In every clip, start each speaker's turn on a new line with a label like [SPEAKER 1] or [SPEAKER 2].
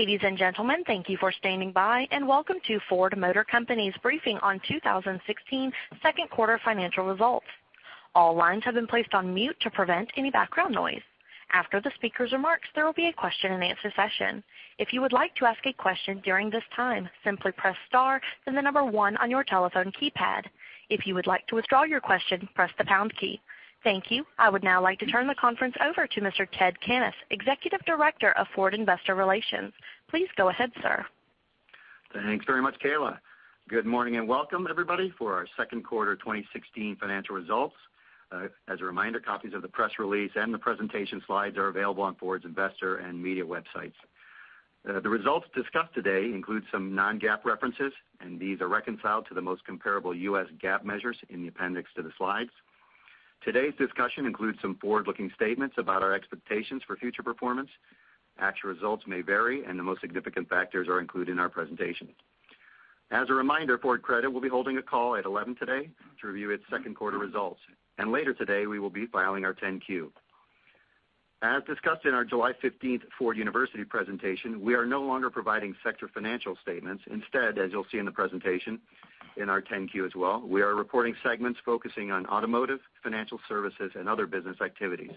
[SPEAKER 1] Ladies and gentlemen, thank you for standing by, and welcome to Ford Motor Company's briefing on 2016 second quarter financial results. All lines have been placed on mute to prevent any background noise. After the speaker's remarks, there will be a question-and-answer session. If you would like to ask a question during this time, simply press star, then the number one on your telephone keypad. If you would like to withdraw your question, press the pound key. Thank you. I would now like to turn the conference over to Mr. Ted Cannis, Executive Director of Ford Investor Relations. Please go ahead, sir.
[SPEAKER 2] Thanks very much, Kayla. Good morning, welcome everybody for our second quarter 2016 financial results. As a reminder, copies of the press release and the presentation slides are available on Ford's investor and media websites. The results discussed today include some non-GAAP references, and these are reconciled to the most comparable US GAAP measures in the appendix to the slides. Today's discussion includes some forward-looking statements about our expectations for future performance. Actual results may vary, and the most significant factors are included in our presentation. As a reminder, Ford Credit will be holding a call at 11:00 A.M. today to review its second quarter results. Later today we will be filing our 10-Q. As discussed in our July 15th Ford University presentation, we are no longer providing sector financial statements. Instead, as you'll see in the presentation, in our 10-Q as well, we are reporting segments focusing on automotive, financial services, and other business activities.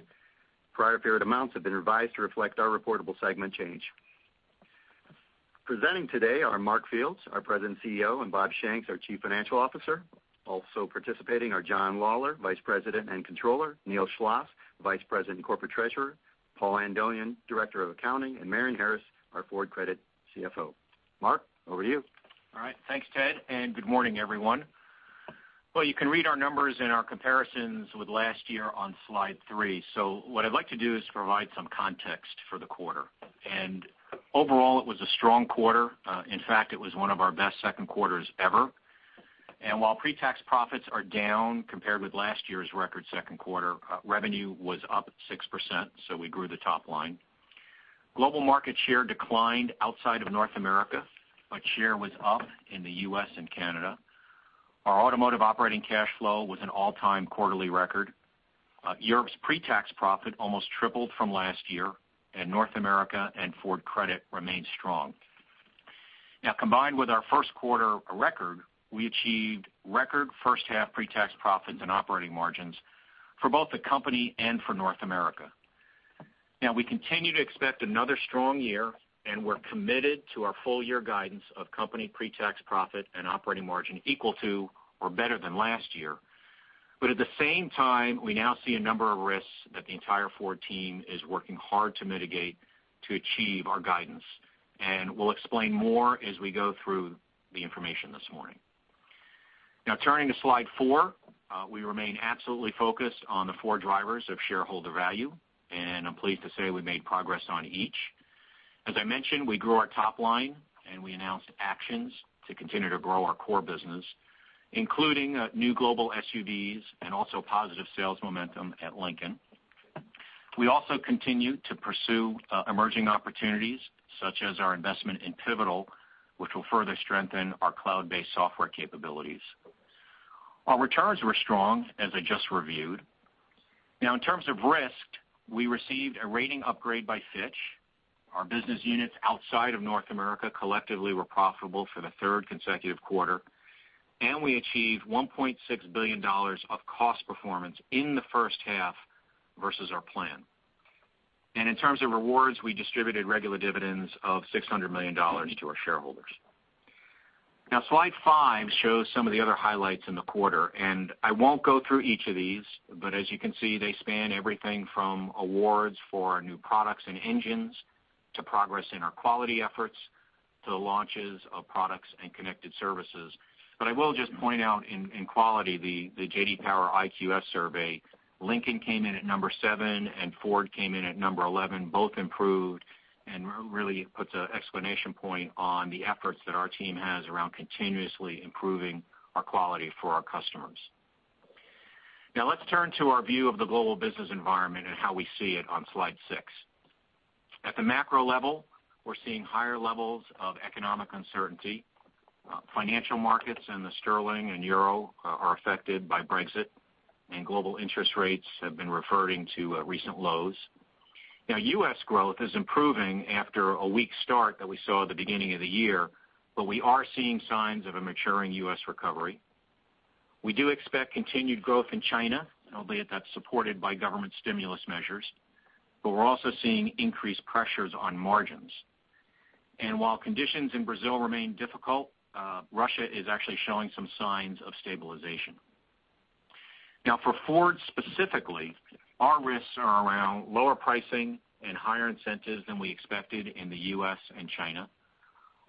[SPEAKER 2] Prior period amounts have been revised to reflect our reportable segment change. Presenting today are Mark Fields, our President and CEO, and Bob Shanks, our Chief Financial Officer. Also participating are John Lawler, Vice President and Controller, Neil Schloss, Vice President and Corporate Treasurer, Paul Andonian, Director of Accounting, and Marion Harris, our Ford Credit CFO. Mark, over to you.
[SPEAKER 3] All right. Thanks, Ted. Good morning everyone. Well, you can read our numbers and our comparisons with last year on slide three. What I'd like to do is provide some context for the quarter. Overall it was a strong quarter. In fact, it was one of our best second quarters ever. While pre-tax profits are down compared with last year's record second quarter, revenue was up 6%. We grew the top line. Global market share declined outside of North America, but share was up in the U.S. and Canada. Our automotive operating cash flow was an all-time quarterly record. Europe's pre-tax profit almost tripled from last year, and North America and Ford Credit remained strong. Now, combined with our first quarter record, we achieved record first-half pre-tax profits and operating margins for both the company and for North America. We continue to expect another strong year, and we're committed to our full-year guidance of company pre-tax profit and operating margin equal to or better than last year. At the same time, we now see a number of risks that the entire Ford team is working hard to mitigate to achieve our guidance. We'll explain more as we go through the information this morning. Turning to slide four, we remain absolutely focused on the four drivers of shareholder value, and I'm pleased to say we made progress on each. As I mentioned, we grew our top line, and we announced actions to continue to grow our core business, including new global SUVs and also positive sales momentum at Lincoln. We also continue to pursue emerging opportunities, such as our investment in Pivotal, which will further strengthen our cloud-based software capabilities. Our returns were strong, as I just reviewed. In terms of risk, we received a rating upgrade by Fitch. Our business units outside of North America collectively were profitable for the third consecutive quarter, and we achieved $1.6 billion of cost performance in the first half versus our plan. In terms of rewards, we distributed regular dividends of $600 million to our shareholders. Slide five shows some of the other highlights in the quarter, and I won't go through each of these, but as you can see, they span everything from awards for new products and engines to progress in our quality efforts to the launches of products and connected services. I will just point out in quality, the J.D. Power IQS survey, Lincoln came in at number 7 and Ford came in at number 11. Both improved and really puts an exclamation point on the efforts that our team has around continuously improving our quality for our customers. Let's turn to our view of the global business environment and how we see it on slide six. At the macro level, we're seeing higher levels of economic uncertainty. Financial markets and the sterling and euro are affected by Brexit, and global interest rates have been reverting to recent lows. U.S. growth is improving after a weak start that we saw at the beginning of the year, but we are seeing signs of a maturing U.S. recovery. We do expect continued growth in China, albeit that's supported by government stimulus measures, but we're also seeing increased pressures on margins. While conditions in Brazil remain difficult, Russia is actually showing some signs of stabilization. For Ford specifically, our risks are around lower pricing and higher incentives than we expected in the U.S. and China.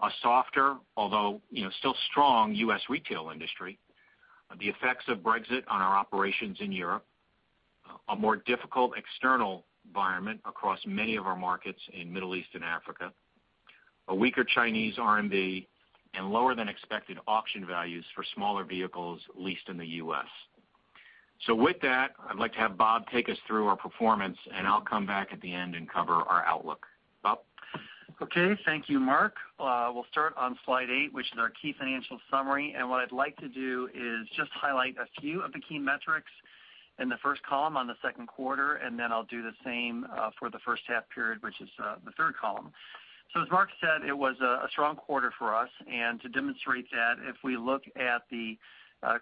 [SPEAKER 3] A softer, although still strong U.S. retail industry. The effects of Brexit on our operations in Europe. A more difficult external environment across many of our markets in Middle East and Africa. A weaker Chinese RMB and lower than expected auction values for smaller vehicles, at least in the U.S. With that, I'd like to have Bob take us through our performance, and I'll come back at the end and cover our outlook. Bob?
[SPEAKER 4] Okay, thank you, Mark. We'll start on slide eight, which is our key financial summary. What I'd like to do is just highlight a few of the key metrics in the first column on the second quarter, then I'll do the same for the first half period, which is the third column. As Mark said, it was a strong quarter for us and to demonstrate that, if we look at the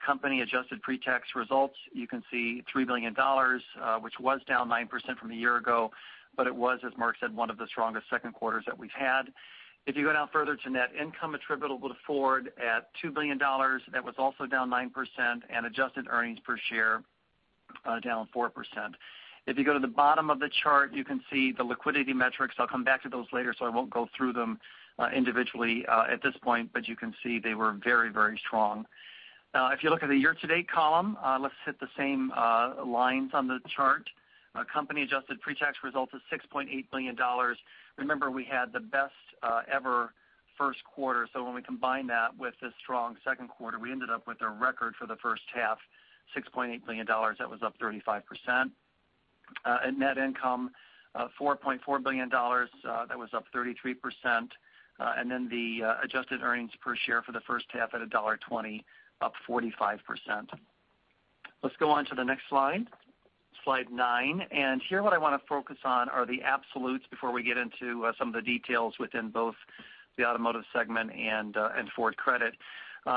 [SPEAKER 4] company adjusted pre-tax results, you can see $3 billion, which was down 9% from a year ago, but it was, as Mark said, one of the strongest second quarters that we've had. If you go down further to net income attributable to Ford at $2 billion, that was also down 9% and adjusted earnings per share down 4%. If you go to the bottom of the chart, you can see the liquidity metrics. I'll come back to those later, so I won't go through them individually at this point, but you can see they were very strong. If you look at the year-to-date column, let's hit the same lines on the chart. Company adjusted pre-tax results is $6.8 billion. Remember, we had the best ever first quarter. When we combine that with this strong second quarter, we ended up with a record for the first half, $6.8 billion. That was up 35%. Net income, $4.4 billion. That was up 33%. The adjusted earnings per share for the first half at $1.20, up 45%. Let's go on to the next slide nine. Here what I want to focus on are the absolutes before we get into some of the details within both the automotive segment and Ford Credit.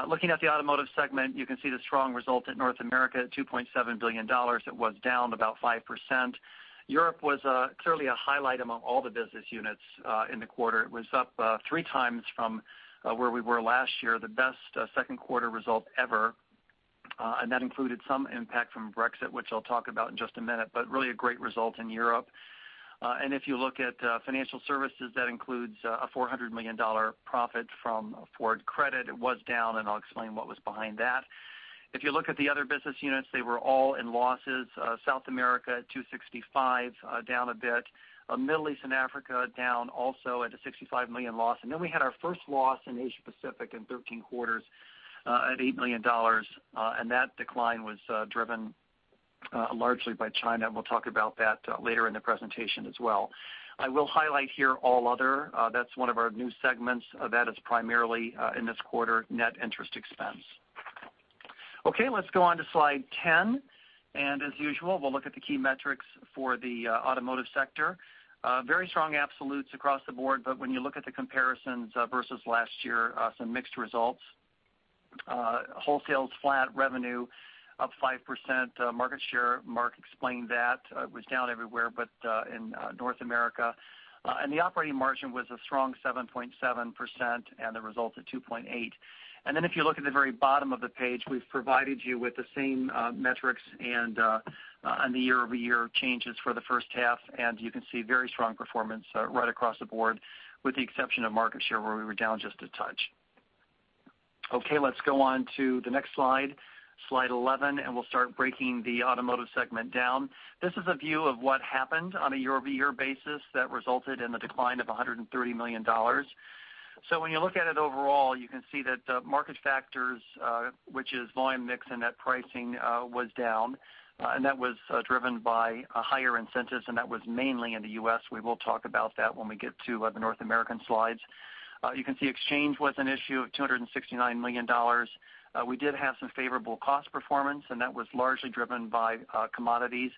[SPEAKER 4] Looking at the automotive segment, you can see the strong result in North America at $2.7 billion. It was down about 5%. Europe was clearly a highlight among all the business units in the quarter. It was up 3 times from where we were last year, the best second quarter result ever, and that included some impact from Brexit, which I'll talk about in just a minute, but really a great result in Europe. If you look at financial services, that includes a $400 million profit from Ford Credit. It was down, and I'll explain what was behind that. If you look at the other business units, they were all in losses. South America, $265, down a bit. Middle East and Africa down also at a $65 million loss. We had our first loss in Asia Pacific in 13 quarters at $8 million. That decline was driven largely by China, and we'll talk about that later in the presentation as well. I will highlight here all other. That's one of our new segments. That is primarily in this quarter net interest expense. Let's go on to slide 10. As usual, we'll look at the key metrics for the automotive sector. Very strong absolutes across the board, but when you look at the comparisons versus last year, some mixed results. Wholesale is flat, revenue up 5%, market share, Mark explained that, was down everywhere but in North America. The operating margin was a strong 7.7% and the result at 2.8%. If you look at the very bottom of the page, we've provided you with the same metrics and the year-over-year changes for the first half, you can see very strong performance right across the board with the exception of market share where we were down just a touch. Let's go on to the next slide 11, and we'll start breaking the automotive segment down. This is a view of what happened on a year-over-year basis that resulted in the decline of $130 million. When you look at it overall, you can see that market factors, which is volume mix and net pricing, was down. That was driven by higher incentives, and that was mainly in the U.S. We will talk about that when we get to the North American slides. You can see exchange was an issue of $269 million. We did have some favorable cost performance, that was largely driven by commodities.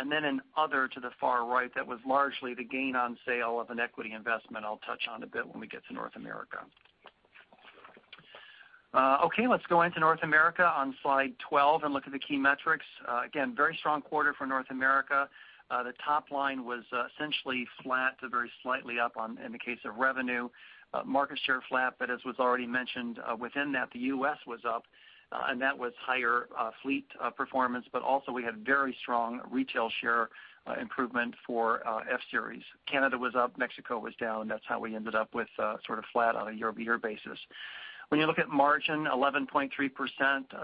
[SPEAKER 4] In other to the far right, that was largely the gain on sale of an equity investment I'll touch on a bit when we get to North America. Let's go into North America on slide 12 and look at the key metrics. Again, very strong quarter for North America. The top line was essentially flat to very slightly up in the case of revenue. Market share flat, but as was already mentioned within that, the U.S. was up and that was higher fleet performance, but also we had very strong retail share improvement for F-Series. Canada was up, Mexico was down. That's how we ended up with sort of flat on a year-over-year basis. When you look at margin, 11.3%,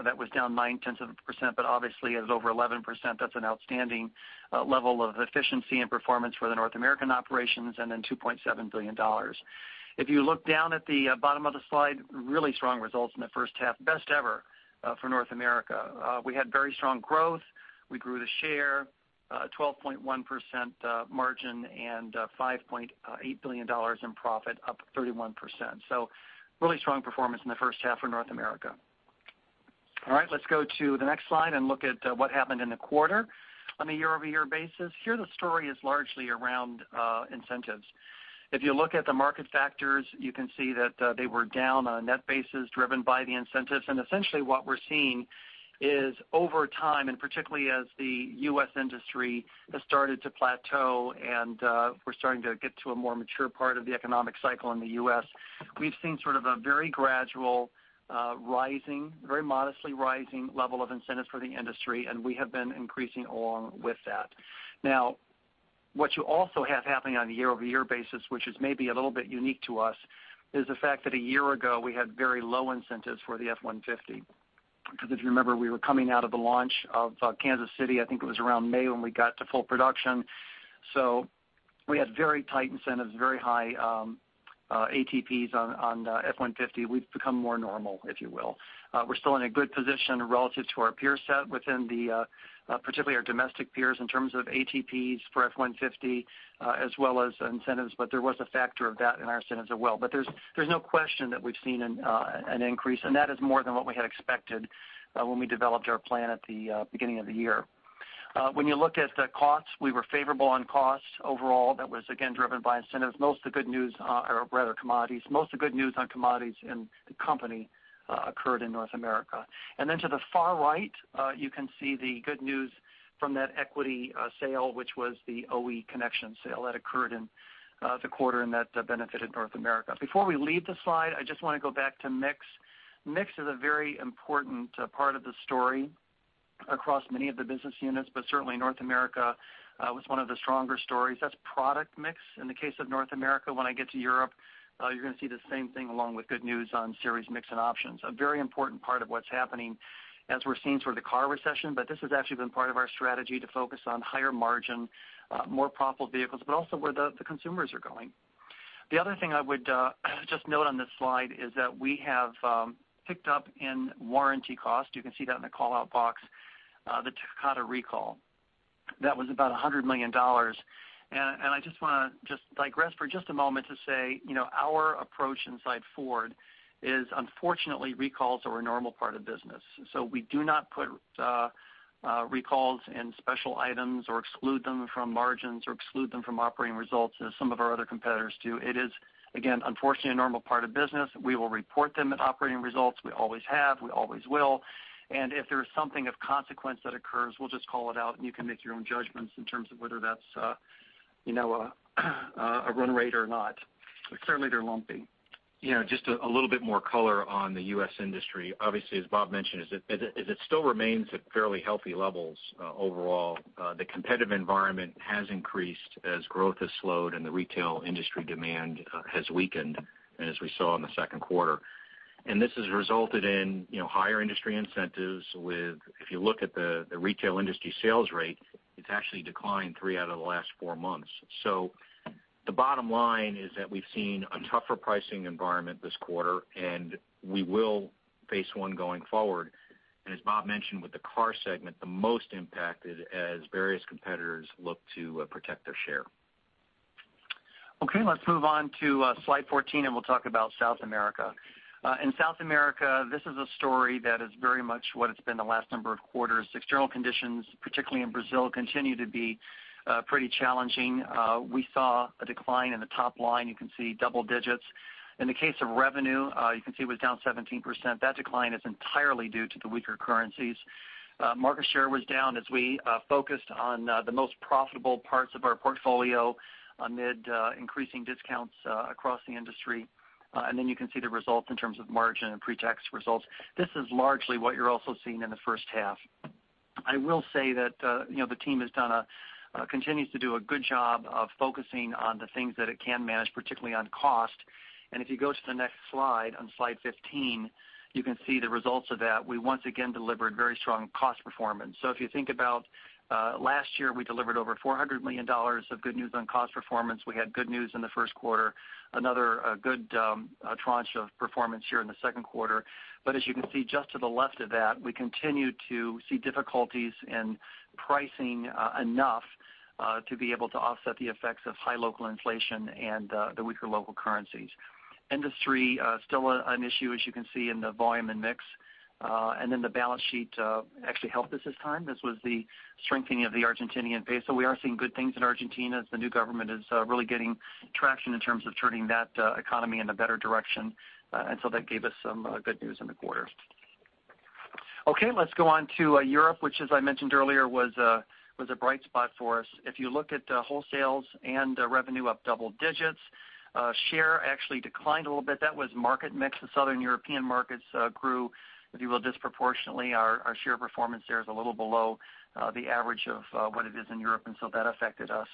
[SPEAKER 4] that was down 0.9%, but obviously at over 11%, that's an outstanding level of efficiency and performance for the North American operations and then $2.7 billion. If you look down at the bottom of the slide, really strong results in the first half, best ever for North America. We had very strong growth. We grew the share, 12.1% margin and $5.8 billion in profit, up 31%. Really strong performance in the first half for North America. Let's go to the next slide and look at what happened in the quarter on a year-over-year basis. Here, the story is largely around incentives. If you look at the market factors, you can see that they were down on a net basis driven by the incentives. Essentially what we're seeing is over time, and particularly as the U.S. industry has started to plateau and we're starting to get to a more mature part of the economic cycle in the U.S., we've seen sort of a very gradual rising, very modestly rising level of incentives for the industry, and we have been increasing along with that. What you also have happening on a year-over-year basis, which is maybe a little bit unique to us, is the fact that a year ago, we had very low incentives for the F-150. Because if you remember, we were coming out of the launch of Kansas City. I think it was around May when we got to full production. We had very tight incentives, very high ATPs on F-150. We've become more normal, if you will. We're still in a good position relative to our peer set within the, particularly our domestic peers, in terms of ATPs for F-150 as well as incentives. There was a factor of that in our incentives as well. There's no question that we've seen an increase, and that is more than what we had expected when we developed our plan at the beginning of the year. When you look at the costs, we were favorable on costs overall. That was, again, driven by incentives, or rather, commodities. Most of the good news on commodities in the company occurred in North America. To the far right, you can see the good news from that equity sale, which was the OEConnection sale that occurred in the quarter, and that benefited North America. Before we leave the slide, I just want to go back to mix. Mix is a very important part of the story across many of the business units, but certainly North America was one of the stronger stories. That's product mix in the case of North America. When I get to Europe, you're going to see the same thing along with good news on series mix and options. A very important part of what's happening as we're seeing sort of the car recession, but this has actually been part of our strategy to focus on higher margin, more profitable vehicles, but also where the consumers are going. The other thing I would just note on this slide is that we have ticked up in warranty cost. You can see that in the call-out box, the Takata recall. That was about $100 million. I just want to digress for just a moment to say, our approach inside Ford is, unfortunately, recalls are a normal part of business. We do not put recalls in special items or exclude them from margins or exclude them from operating results as some of our other competitors do. It is, again, unfortunately, a normal part of business. We will report them in operating results. We always have, we always will. If there is something of consequence that occurs, we'll just call it out and you can make your own judgments in terms of whether that's a run rate or not. Certainly they're lumpy.
[SPEAKER 3] Just a little bit more color on the U.S. industry. Obviously, as Bob mentioned, as it still remains at fairly healthy levels overall, the competitive environment has increased as growth has slowed and the retail industry demand has weakened, as we saw in the second quarter. This has resulted in higher industry incentives with, if you look at the retail industry sales rate, it's actually declined three out of the last four months. The bottom line is that we've seen a tougher pricing environment this quarter, and we will face one going forward. As Bob mentioned with the car segment, the most impacted as various competitors look to protect their share.
[SPEAKER 4] Okay, let's move on to slide 14 and we'll talk about South America. In South America, this is a story that is very much what it's been the last number of quarters. External conditions, particularly in Brazil, continue to be pretty challenging. We saw a decline in the top line. You can see double digits. In the case of revenue, you can see it was down 17%. That decline is entirely due to the weaker currencies. Market share was down as we focused on the most profitable parts of our portfolio amid increasing discounts across the industry. You can see the results in terms of margin and pre-tax results. This is largely what you're also seeing in the first half. I will say that the team continues to do a good job of focusing on the things that it can manage, particularly on cost. If you go to the next slide, on slide 15, you can see the results of that. We once again delivered very strong cost performance. If you think about last year, we delivered over $400 million of good news on cost performance. We had good news in the first quarter, another good tranche of performance here in the second quarter. As you can see just to the left of that, we continue to see difficulties in pricing enough to be able to offset the effects of high local inflation and the weaker local currencies. Industry still an issue, as you can see in the volume and mix. The balance sheet actually helped us this time. This was the strengthening of the Argentinian peso. We are seeing good things in Argentina as the new government is really getting traction in terms of turning that economy in a better direction. That gave us some good news in the quarter. Okay, let's go on to Europe, which as I mentioned earlier, was a bright spot for us. If you look at wholesales and revenue up double digits. Share actually declined a little bit. That was market mix. The Southern European markets grew, if you will, disproportionately. Our share performance there is a little below the average of what it is in Europe, that affected us.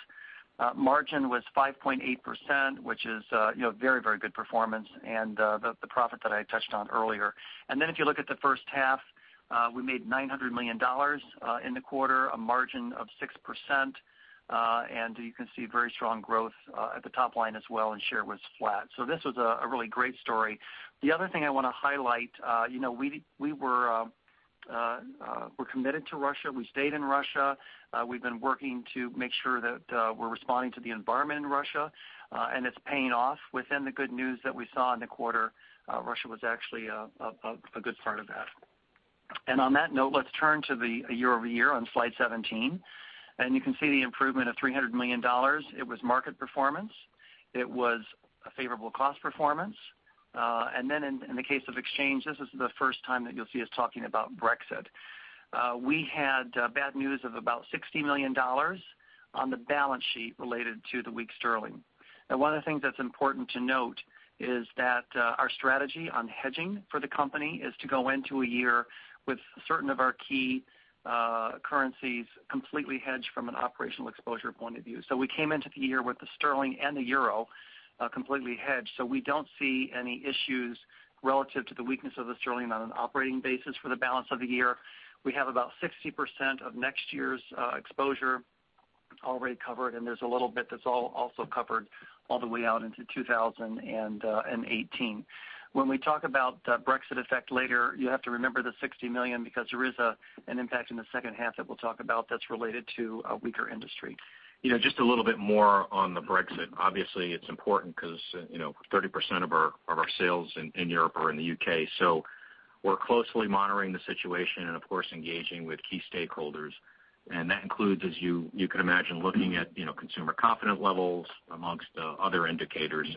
[SPEAKER 4] Margin was 5.8%, which is very good performance, and the profit that I touched on earlier. If you look at the first half, we made $900 million in the quarter, a margin of 6%, and you can see very strong growth at the top line as well, and share was flat. This was a really great story. The other thing I want to highlight, we're committed to Russia. We stayed in Russia. We've been working to make sure that we're responding to the environment in Russia, and it's paying off. Within the good news that we saw in the quarter, Russia was actually a good part of that. On that note, let's turn to the year-over-year on slide 17. You can see the improvement of $300 million. It was market performance. It was a favorable cost performance. In the case of exchange, this is the first time that you'll see us talking about Brexit. We had bad news of about $60 million on the balance sheet related to the weak sterling. One of the things that's important to note is that our strategy on hedging for the company is to go into a year with certain of our key currencies completely hedged from an operational exposure point of view. We came into the year with the sterling and the euro completely hedged. We don't see any issues relative to the weakness of the sterling on an operating basis for the balance of the year. We have about 60% of next year's exposure already covered, and there's a little bit that's also covered all the way out into 2018. When we talk about the Brexit effect later, you have to remember the $60 million because there is an impact in the second half that we'll talk about that's related to a weaker industry.
[SPEAKER 3] Just a little bit more on the Brexit. Obviously, it's important because 30% of our sales in Europe are in the U.K. We're closely monitoring the situation and of course, engaging with key stakeholders. That includes, as you could imagine, looking at consumer confidence levels amongst other indicators.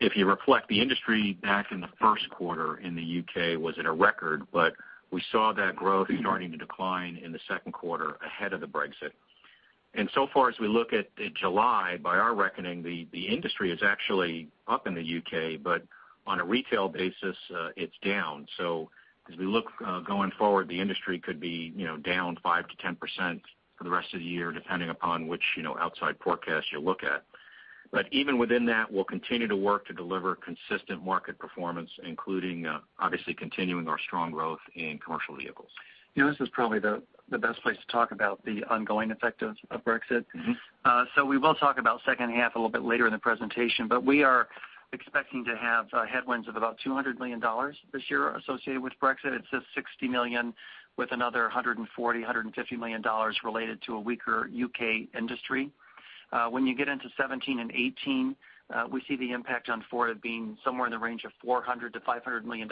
[SPEAKER 3] If you reflect the industry back in the first quarter in the U.K. was at a record, but we saw that growth starting to decline in the second quarter ahead of the Brexit. So far, as we look at July, by our reckoning, the industry is actually up in the U.K., but on a retail basis, it's down. As we look going forward, the industry could be down 5%-10% for the rest of the year, depending upon which outside forecast you look at. Even within that, we'll continue to work to deliver consistent market performance, including, obviously continuing our strong growth in commercial vehicles.
[SPEAKER 4] This is probably the best place to talk about the ongoing effect of Brexit. We will talk about second half a little bit later in the presentation, we are expecting to have headwinds of about $200 million this year associated with Brexit. It's just $60 million with another $140 million-$150 million related to a weaker U.K. industry. When you get into 2017 and 2018, we see the impact on Ford being somewhere in the range of $400 million-$500 million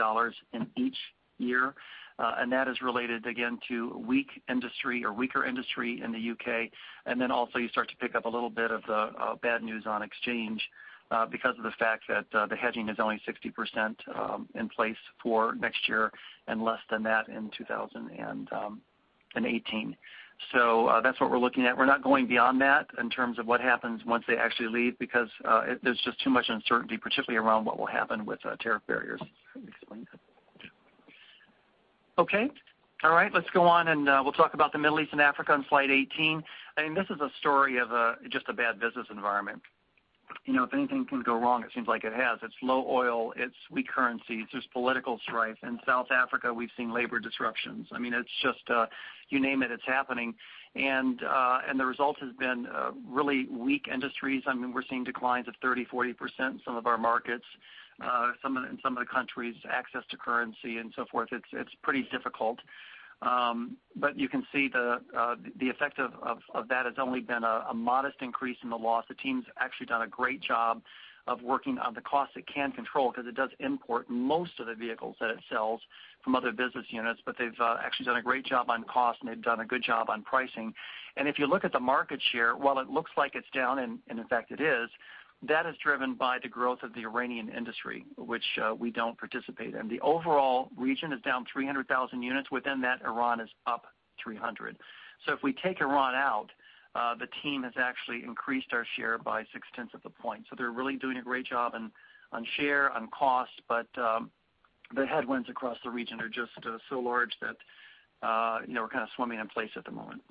[SPEAKER 4] in each year. That is related, again, to weak industry or weaker industry in the U.K. You start to pick up a little bit of the bad news on exchange because of the fact that the hedging is only 60% in place for next year and less than that in 2018. That's what we're looking at. We're not going beyond that in terms of what happens once they actually leave because there's just too much uncertainty, particularly around what will happen with tariff barriers. Let me explain that. Let's go on and we'll talk about the Middle East and Africa on slide 18. This is a story of just a bad business environment. If anything can go wrong, it seems like it has. It's low oil, it's weak currency, it's just political strife. In South Africa, we've seen labor disruptions. It's just, you name it's happening. The result has been really weak industries. We're seeing declines of 30%-40% in some of our markets. In some of the countries, access to currency and so forth, it's pretty difficult. You can see the effect of that has only been a modest increase in the loss. The team's actually done a great job of working on the costs it can control because it does import most of the vehicles that it sells from other business units, they've actually done a great job on cost and they've done a good job on pricing. If you look at the market share, while it looks like it's down, and in fact it is, that is driven by the growth of the Iranian industry, which we don't participate in. The overall region is down 300,000 units. Within that, Iran is up 300,000. If we take Iran out, the team has actually increased our share by 6/10 of a point. They're really doing a great job on share, on cost, the headwinds across the region are just so large that we're kind of swimming in place at the moment.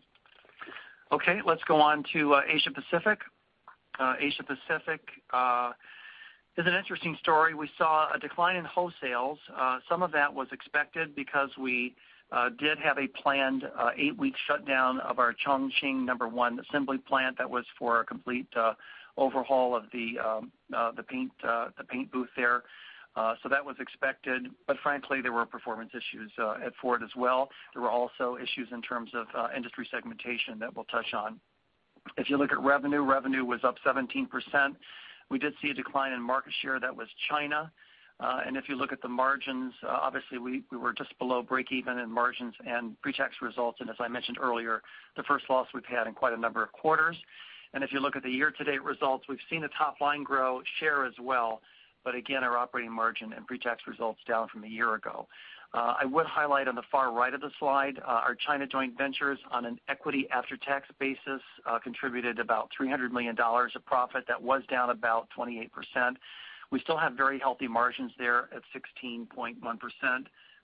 [SPEAKER 4] Okay, let's go on to Asia Pacific. Asia Pacific is an interesting story. We saw a decline in wholesales. Some of that was expected because we did have a planned 8-week shutdown of our Chongqing number 1 assembly plant that was for a complete overhaul of the paint booth there. That was expected. Frankly, there were performance issues at Ford as well. There were also issues in terms of industry segmentation that we'll touch on. If you look at revenue was up 17%. We did see a decline in market share. That was China. If you look at the margins, obviously we were just below breakeven in margins and pre-tax results. As I mentioned earlier, the first loss we've had in quite a number of quarters. If you look at the year-to-date results, we've seen the top line grow share as well. Again, our operating margin and pre-tax results down from a year ago. I would highlight on the far right of the slide our China joint ventures on an equity after-tax basis contributed about $300 million of profit. That was down about 28%. We still have very healthy margins there at 16.1%. I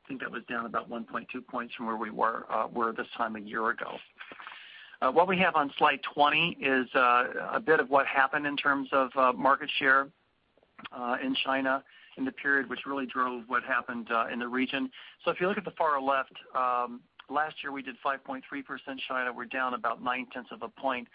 [SPEAKER 4] think that was down about 1.2 points from where we were this time a year ago. What we have on slide 20 is a bit of what happened in terms of market share in China in the period which really drove what happened in the region. If you look at the far left, last year we did 5.3% China. We're down about 0.9 of a point.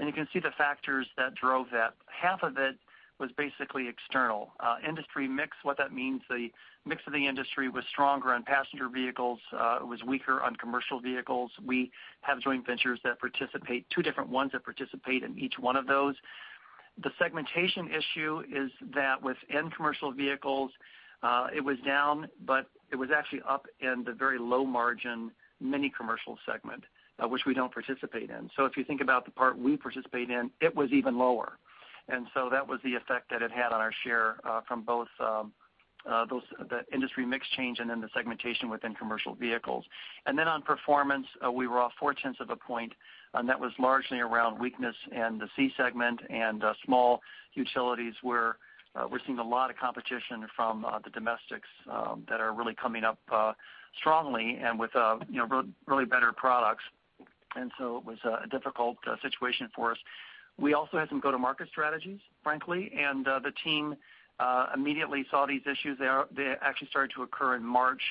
[SPEAKER 4] You can see the factors that drove that. Half of it was basically external. Industry mix, what that means, the mix of the industry was stronger on passenger vehicles. It was weaker on commercial vehicles. We have joint ventures that participate, 2 different ones that participate in each one of those. The segmentation issue is that within commercial vehicles, it was down, but it was actually up in the very low margin mini commercial segment, which we don't participate in. If you think about the part we participate in, it was even lower. That was the effect that it had on our share from both the industry mix change and then the segmentation within commercial vehicles. On performance, we were off 0.4 of a point, and that was largely around weakness in the C segment and small utilities where we're seeing a lot of competition from the domestics that are really coming up strongly and with really better products. It was a difficult situation for us. We also had some go-to-market strategies, frankly, and the team immediately saw these issues. They actually started to occur in March.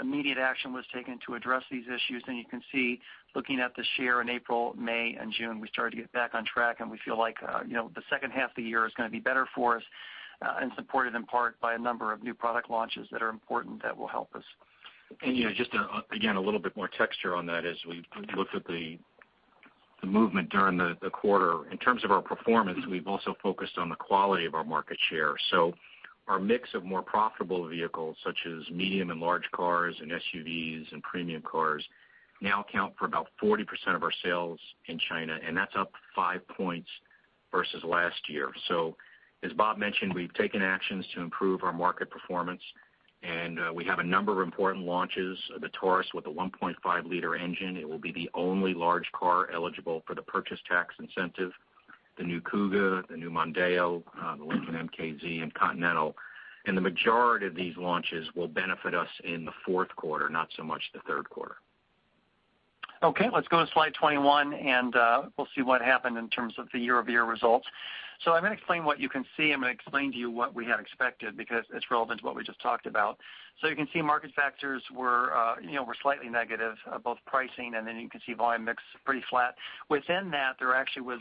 [SPEAKER 4] Immediate action was taken to address these issues. You can see looking at the share in April, May, and June, we started to get back on track and we feel like the second half of the year is going to be better for us and supported in part by a number of new product launches that are important that will help us.
[SPEAKER 3] Just again, a little bit more texture on that as we look at the movement during the quarter. In terms of our performance, we've also focused on the quality of our market share. Our mix of more profitable vehicles, such as medium and large cars and SUVs and premium cars, now account for about 40% of our sales in China. That's up 5 points versus last year. As Bob mentioned, we've taken actions to improve our market performance, and we have a number of important launches. The Taurus with a 1.5-liter engine, it will be the only large car eligible for the purchase tax incentive. The new Kuga, the new Mondeo, the Lincoln MKZ and Continental. The majority of these launches will benefit us in the fourth quarter, not so much the third quarter.
[SPEAKER 4] Let's go to slide 21, and we'll see what happened in terms of the year-over-year results. I'm going to explain what you can see. I'm going to explain to you what we had expected because it's relevant to what we just talked about. You can see market factors were slightly negative, both pricing and then you can see volume mix pretty flat. Within that, there actually was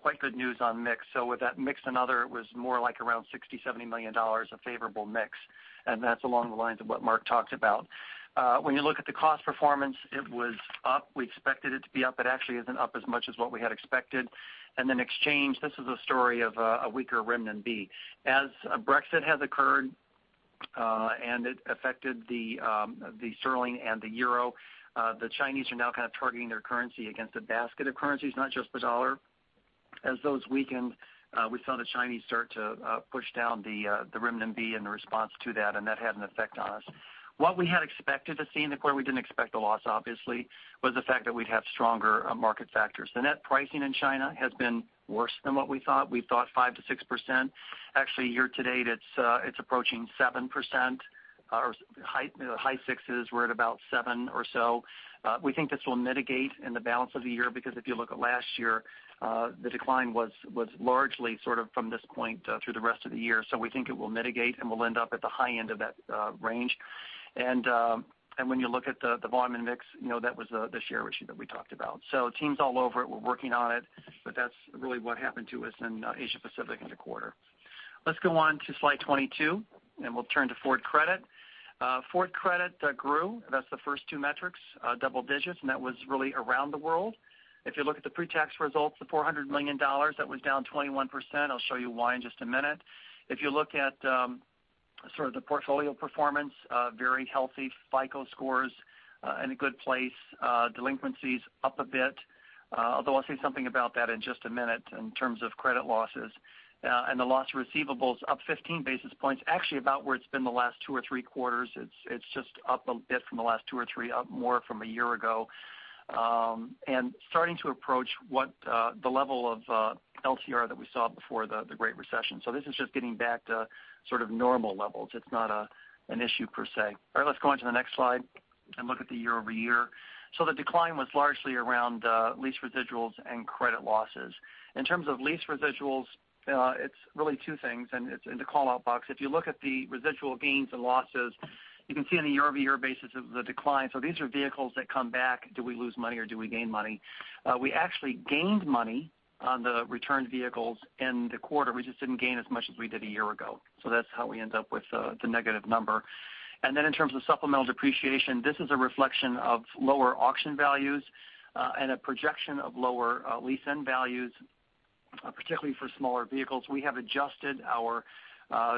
[SPEAKER 4] quite good news on mix. With that mix and other, it was more like around $60 million-$70 million of favorable mix, and that's along the lines of what Mark talked about. When you look at the cost performance, it was up. We expected it to be up. It actually isn't up as much as what we had expected. Exchange, this is a story of a weaker renminbi. As Brexit has occurred and it affected the sterling and the euro, the Chinese are now kind of targeting their currency against a basket of currencies, not just the US dollar. As those weakened, we saw the Chinese start to push down the renminbi in response to that, and that had an effect on us. What we had expected to see in the quarter, we didn't expect a loss, obviously, was the fact that we'd have stronger market factors. The net pricing in China has been worse than what we thought. We thought 5%-6%. Actually, year-to-date it's approaching 7%, or high sixes. We're at about 7% or so. We think this will mitigate in the balance of the year because if you look at last year, the decline was largely sort of from this point through the rest of the year. We think it will mitigate and will end up at the high end of that range. When you look at the volume and mix, that was the share issue that we talked about. Team's all over it. We're working on it. But that's really what happened to us in Asia Pacific in the quarter. Let's go on to slide 22. We'll turn to Ford Credit. Ford Credit grew. That's the first two metrics, double digits, and that was really around the world. If you look at the pre-tax results, the $400 million, that was down 21%. I'll show you why in just a minute. If you look at sort of the portfolio performance, very healthy FICO scores in a good place. Delinquencies up a bit, although I'll say something about that in just a minute in terms of credit losses. The loss receivables up 15 basis points, actually about where it's been the last two or three quarters. It's just up a bit from the last two or three, up more from a year ago. Starting to approach what the level of LTR that we saw before the Great Recession. This is just getting back to sort of normal levels. It's not an issue, per se. All right, let's go on to the next slide and look at the year-over-year. The decline was largely around lease residuals and credit losses. In terms of lease residuals, it's really two things, and it's in the call-out box. If you look at the residual gains and losses, you can see on a year-over-year basis the decline. These are vehicles that come back. Do we lose money or do we gain money? We actually gained money on the returned vehicles in the quarter. We just didn't gain as much as we did a year ago. That's how we end up with the negative number. In terms of supplemental depreciation, this is a reflection of lower auction values and a projection of lower lease-end values, particularly for smaller vehicles. We have adjusted our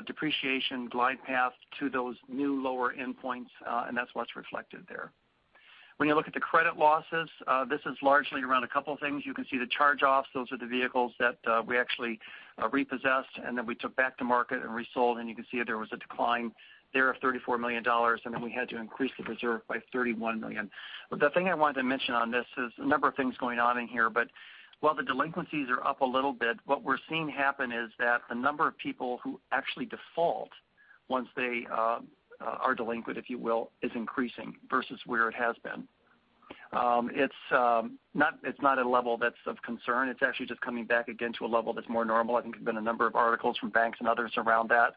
[SPEAKER 4] depreciation glide path to those new lower endpoints, and that's what's reflected there. When you look at the credit losses, this is largely around a couple of things. You can see the charge-offs. Those are the vehicles that we actually repossessed and then we took back to market and resold, and you can see there was a decline there of $34 million, and then we had to increase the reserve by $31 million. The thing I wanted to mention on this is a number of things going on in here, but while the delinquencies are up a little bit, what we're seeing happen is that the number of people who actually default once they are delinquent, if you will, is increasing versus where it has been. It's not a level that's of concern. It's actually just coming back again to a level that's more normal. I think there's been a number of articles from banks and others around that.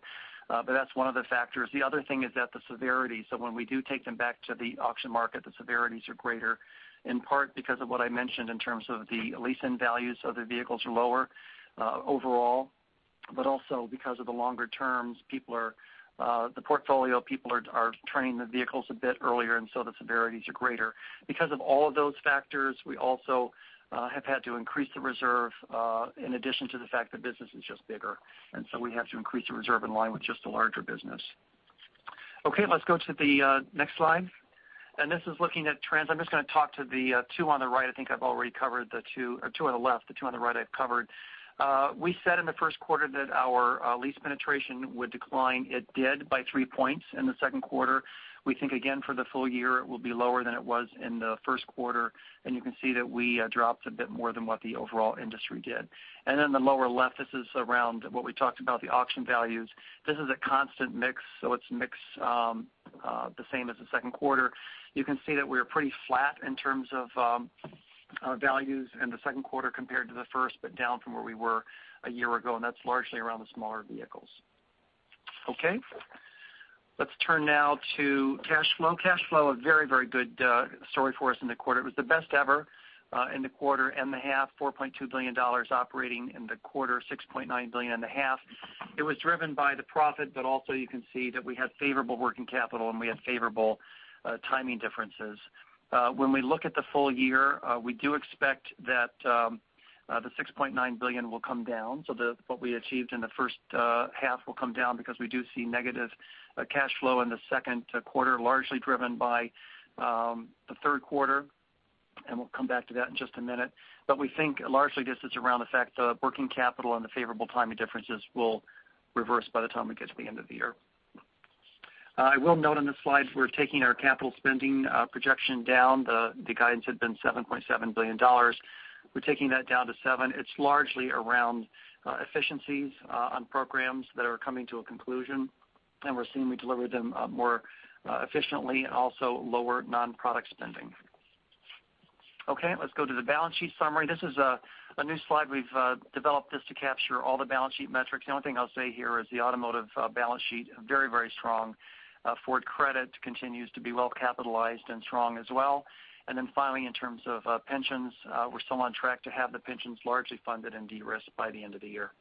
[SPEAKER 4] That's one of the factors. The other thing is that the severity. When we do take them back to the auction market, the severities are greater, in part because of what I mentioned in terms of the lease-end values of the vehicles are lower overall. But also because of the longer terms, the portfolio people are turning the vehicles a bit earlier, and so the severities are greater. Because of all of those factors, we also have had to increase the reserve in addition to the fact the business is just bigger. We have to increase the reserve in line with just the larger business. Okay, let's go to the next slide. This is looking at trends. I'm just going to talk to the two on the right. I think I've already covered the two on the left. The two on the right I've covered. We said in the first quarter that our lease penetration would decline. It did by three points in the second quarter. We think again for the full year, it will be lower than it was in the first quarter. You can see that we dropped a bit more than what the overall industry did. In the lower left, this is around what we talked about, the auction values. This is a constant mix, so it's mixed the same as the second quarter. You can see that we are pretty flat in terms of our values in the second quarter compared to the first, but down from where we were a year ago, and that's largely around the smaller vehicles. Let's turn now to cash flow. Cash flow, a very, very good story for us in the quarter. It was the best ever in the quarter and the half, $4.2 billion operating in the quarter, $6.9 billion in the half. It was driven by the profit, but also you can see that we had favorable working capital and we had favorable timing differences. When we look at the full year, we do expect that the $6.9 billion will come down. What we achieved in the first half will come down because we do see negative cash flow in the second quarter, largely driven by the third quarter, and we'll come back to that in just a minute. We think largely this is around the fact the working capital and the favorable timing differences will reverse by the time it gets to the end of the year. I will note on this slide, we're taking our capital spending projection down. The guidance had been $7.7 billion. We're taking that down to $7 billion. It's largely around efficiencies on programs that are coming to a conclusion, and we're seeing we deliver them more efficiently and also lower non-product spending. Let's go to the balance sheet summary. This is a new slide. We've developed this to capture all the balance sheet metrics. The only thing I'll say here is the automotive balance sheet, very, very strong. Ford Credit continues to be well-capitalized and strong as well. Finally, in terms of pensions, we're still on track to have the pensions largely funded and de-risked by the end of the year.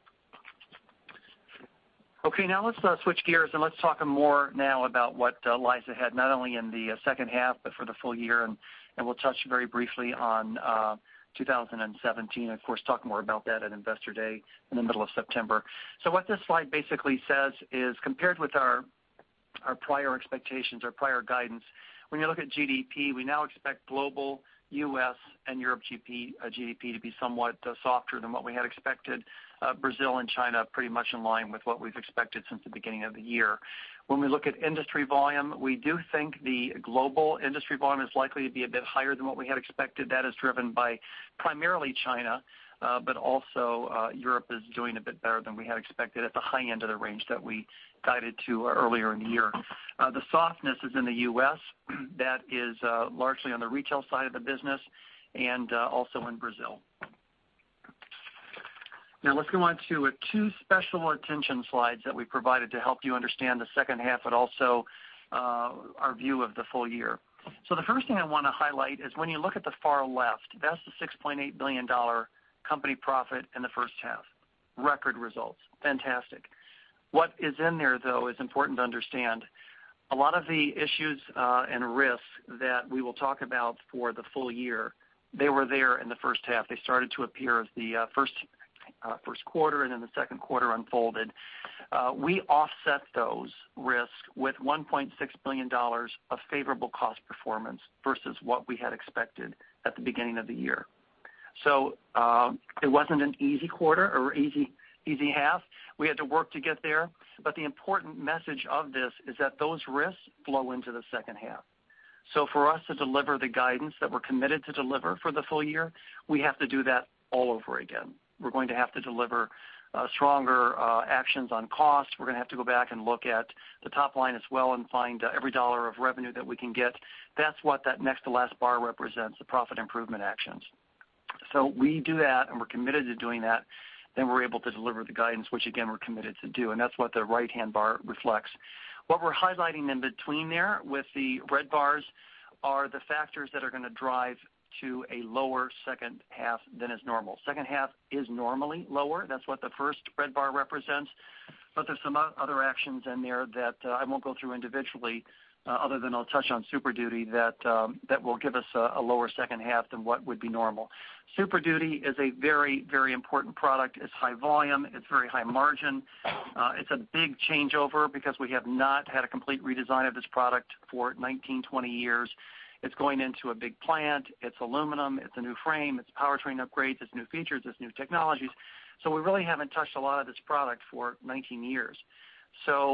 [SPEAKER 4] Now let's switch gears and let's talk more now about what lies ahead, not only in the second half, but for the full year, and we'll touch very briefly on 2017. Of course, talk more about that at Investor Day in the middle of September. What this slide basically says is compared with our prior expectations or prior guidance, when you look at GDP, we now expect global U.S. and Europe GDP to be somewhat softer than what we had expected. Brazil and China pretty much in line with what we've expected since the beginning of the year. When we look at industry volume, we do think the global industry volume is likely to be a bit higher than what we had expected. That is driven by primarily China, but also Europe is doing a bit better than we had expected at the high end of the range that we guided to earlier in the year. The softness is in the U.S., that is largely on the retail side of the business and also in Brazil. Now let's go on to two special attention slides that we provided to help you understand the second half, but also our view of the full year. The first thing I want to highlight is when you look at the far left, that's the $6.8 billion company profit in the first half. Record results. Fantastic. What is in there, though, is important to understand. A lot of the issues and risks that we will talk about for the full year, they were there in the first half. They started to appear as the first quarter and then the second quarter unfolded. We offset those risks with $1.6 billion of favorable cost performance versus what we had expected at the beginning of the year. It wasn't an easy quarter or easy half. We had to work to get there. The important message of this is that those risks flow into the second half. For us to deliver the guidance that we're committed to deliver for the full year, we have to do that all over again. We're going to have to deliver stronger actions on cost. We're going to have to go back and look at the top line as well and find every dollar of revenue that we can get. That's what that next to last bar represents, the profit improvement actions. We do that, and we're committed to doing that, then we're able to deliver the guidance, which again, we're committed to do, and that's what the right-hand bar reflects. What we're highlighting in between there with the red bars are the factors that are going to drive to a lower second half than is normal. Second half is normally lower. That's what the first red bar represents. There's some other actions in there that I won't go through individually, other than I'll touch on Super Duty that will give us a lower second half than what would be normal. Super Duty is a very, very important product. It's high volume, it's very high margin. It's a big changeover because we have not had a complete redesign of this product for 19, 20 years. It's going into a big plant. It's aluminum, it's a new frame, it's powertrain upgrades, it's new features, it's new technologies. We really haven't touched a lot of this product for 19 years.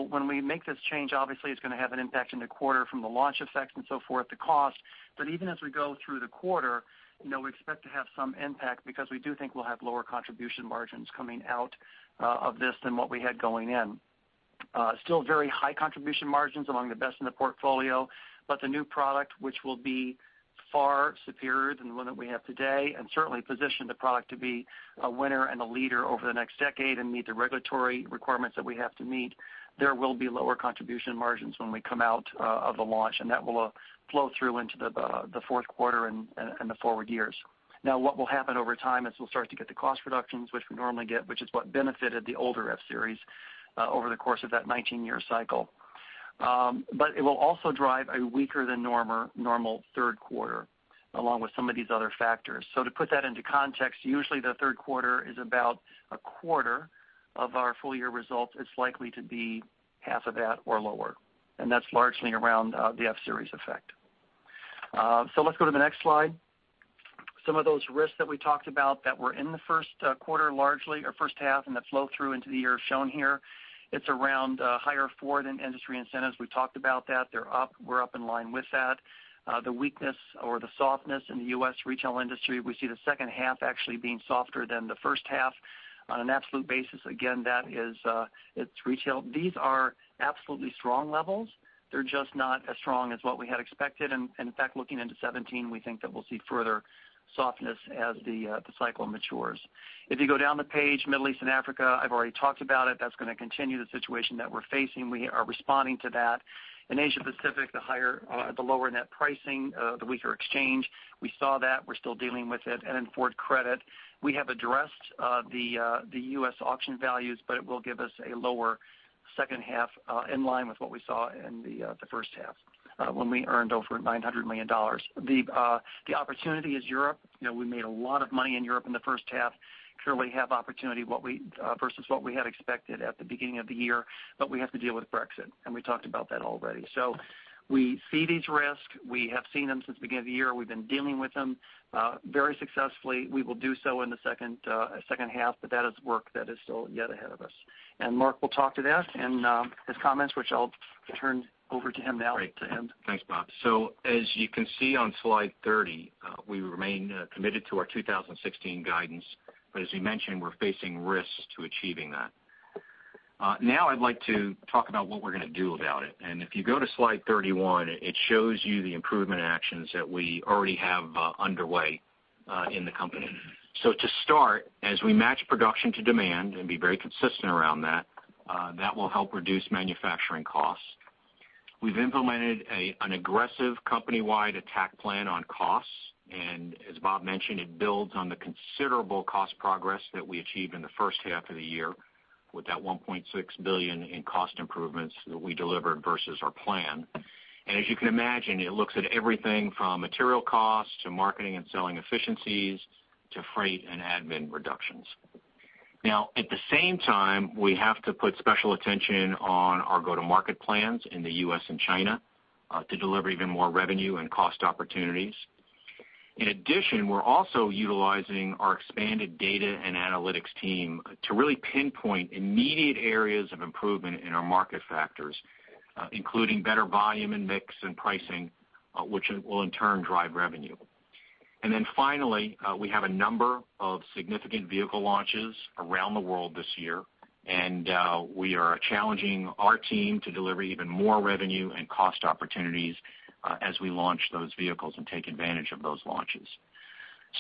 [SPEAKER 4] When we make this change, obviously, it's going to have an impact in the quarter from the launch effects and so forth, the cost. Even as we go through the quarter, we expect to have some impact because we do think we'll have lower contribution margins coming out of this than what we had going in. Still very high contribution margins, among the best in the portfolio, the new product, which will be far superior than the one that we have today, and certainly position the product to be a winner and a leader over the next decade and meet the regulatory requirements that we have to meet. There will be lower contribution margins when we come out of the launch, and that will flow through into the fourth quarter and the forward years. What will happen over time is we'll start to get the cost reductions which we normally get, which is what benefited the older F-Series over the course of that 19-year cycle. It will also drive a weaker than normal third quarter along with some of these other factors. To put that into context, usually the third quarter is about a quarter of our full-year results. It's likely to be half of that or lower, and that's largely around the F-Series effect. Let's go to the next slide. Some of those risks that we talked about that were in the first quarter largely, or first half, and that flow through into the year shown here, it's around higher Ford and industry incentives. We've talked about that. They're up, we're up in line with that. The weakness or the softness in the U.S. retail industry, we see the second half actually being softer than the first half on an absolute basis. Again, that is its retail. These are absolutely strong levels. They're just not as strong as what we had expected. In fact, looking into 2017, we think that we'll see further softness as the cycle matures. If you go down the page, Middle East and Africa, I've already talked about it. That's going to continue the situation that we're facing. We are responding to that. In Asia Pacific, the lower net pricing, the weaker exchange, we saw that, we're still dealing with it. Then Ford Credit. We have addressed the U.S. auction values, but it will give us a lower second half in line with what we saw in the first half when we earned over $900 million. The opportunity is Europe. We made a lot of money in Europe in the first half. Surely we have opportunity versus what we had expected at the beginning of the year, we have to deal with Brexit, we talked about that already. We see these risks. We have seen them since the beginning of the year. We've been dealing with them very successfully. We will do so in the second half, that is work that is still yet ahead of us. Mark will talk to that in his comments, which I'll turn over to him now.
[SPEAKER 3] Great. Thanks, Bob. As you can see on slide 30, we remain committed to our 2016 guidance, as we mentioned, we're facing risks to achieving that. Now I'd like to talk about what we're going to do about it. If you go to slide 31, it shows you the improvement actions that we already have underway in the company. To start, as we match production to demand and be very consistent around that will help reduce manufacturing costs. We've implemented an aggressive company-wide attack plan on costs, as Bob mentioned, it builds on the considerable cost progress that we achieved in the first half of the year with that $1.6 billion in cost improvements that we delivered versus our plan. As you can imagine, it looks at everything from material costs to marketing and selling efficiencies to freight and admin reductions. At the same time, we have to put special attention on our go-to-market plans in the U.S. and China to deliver even more revenue and cost opportunities. In addition, we're also utilizing our expanded data and analytics team to really pinpoint immediate areas of improvement in our market factors, including better volume and mix and pricing, which will in turn drive revenue. Finally, we have a number of significant vehicle launches around the world this year, and we are challenging our team to deliver even more revenue and cost opportunities as we launch those vehicles and take advantage of those launches.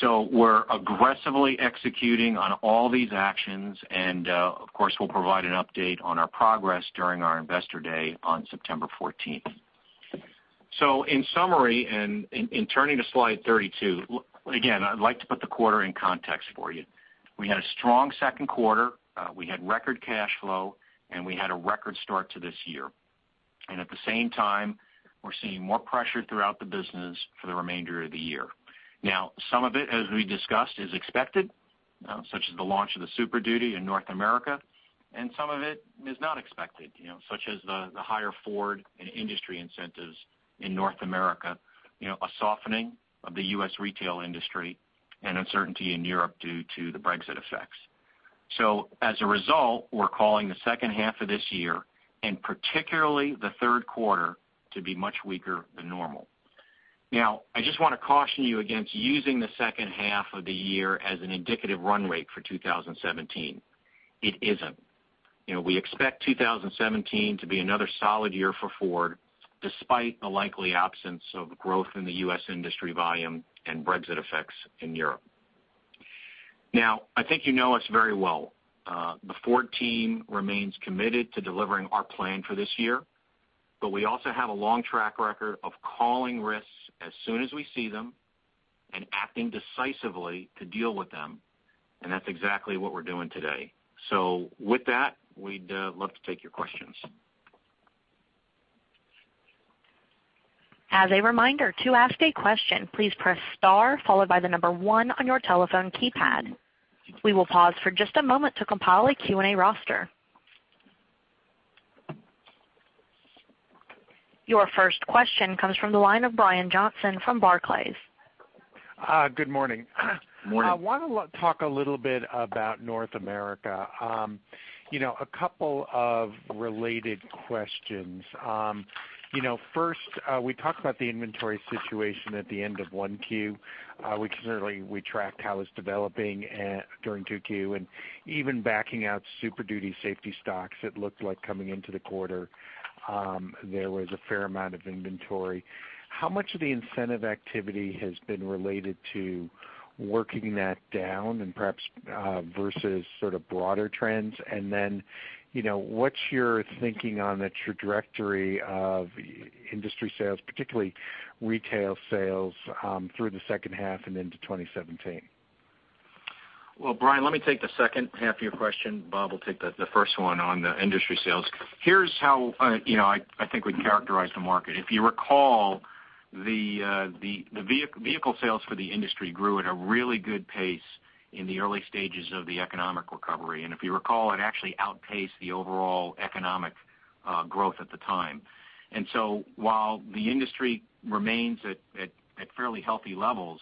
[SPEAKER 3] We're aggressively executing on all these actions, and of course, we'll provide an update on our progress during our Investor Day on September 14th. In summary, in turning to slide 32, again, I'd like to put the quarter in context for you. We had a strong second quarter. We had record cash flow, and we had a record start to this year. At the same time, we're seeing more pressure throughout the business for the remainder of the year. Some of it, as we discussed, is expected, such as the launch of the Super Duty in North America, and some of it is not expected, such as the higher Ford and industry incentives in North America, a softening of the U.S. retail industry, and uncertainty in Europe due to the Brexit effects. As a result, we're calling the second half of this year, and particularly the third quarter, to be much weaker than normal. I just want to caution you against using the second half of the year as an indicative run rate for 2017. It isn't. We expect 2017 to be another solid year for Ford, despite the likely absence of growth in the U.S. industry volume and Brexit effects in Europe. I think you know us very well. The Ford team remains committed to delivering our plan for this year, but we also have a long track record of calling risks as soon as we see them and acting decisively to deal with them, and that's exactly what we're doing today. With that, we'd love to take your questions.
[SPEAKER 1] As a reminder, to ask a question, please press star followed by the number 1 on your telephone keypad. We will pause for just a moment to compile a Q&A roster. Your first question comes from the line of Brian Johnson from Barclays.
[SPEAKER 5] Good morning.
[SPEAKER 3] Morning.
[SPEAKER 5] I want to talk a little bit about North America. A couple of related questions. First, we talked about the inventory situation at the end of 1Q. We certainly tracked how it's developing during 2Q, and even backing out Super Duty safety stocks, it looked like coming into the quarter, there was a fair amount of inventory. How much of the incentive activity has been related to working that down and perhaps versus sort of broader trends? Then, what's your thinking on the trajectory of industry sales, particularly retail sales, through the second half and into 2017?
[SPEAKER 3] Well, Brian, let me take the second half of your question. Bob will take the first one on the industry sales. Here's how I think we'd characterize the market. If you recall, the vehicle sales for the industry grew at a really good pace in the early stages of the economic recovery. If you recall, it actually outpaced the overall economic growth at the time. While the industry remains at fairly healthy levels,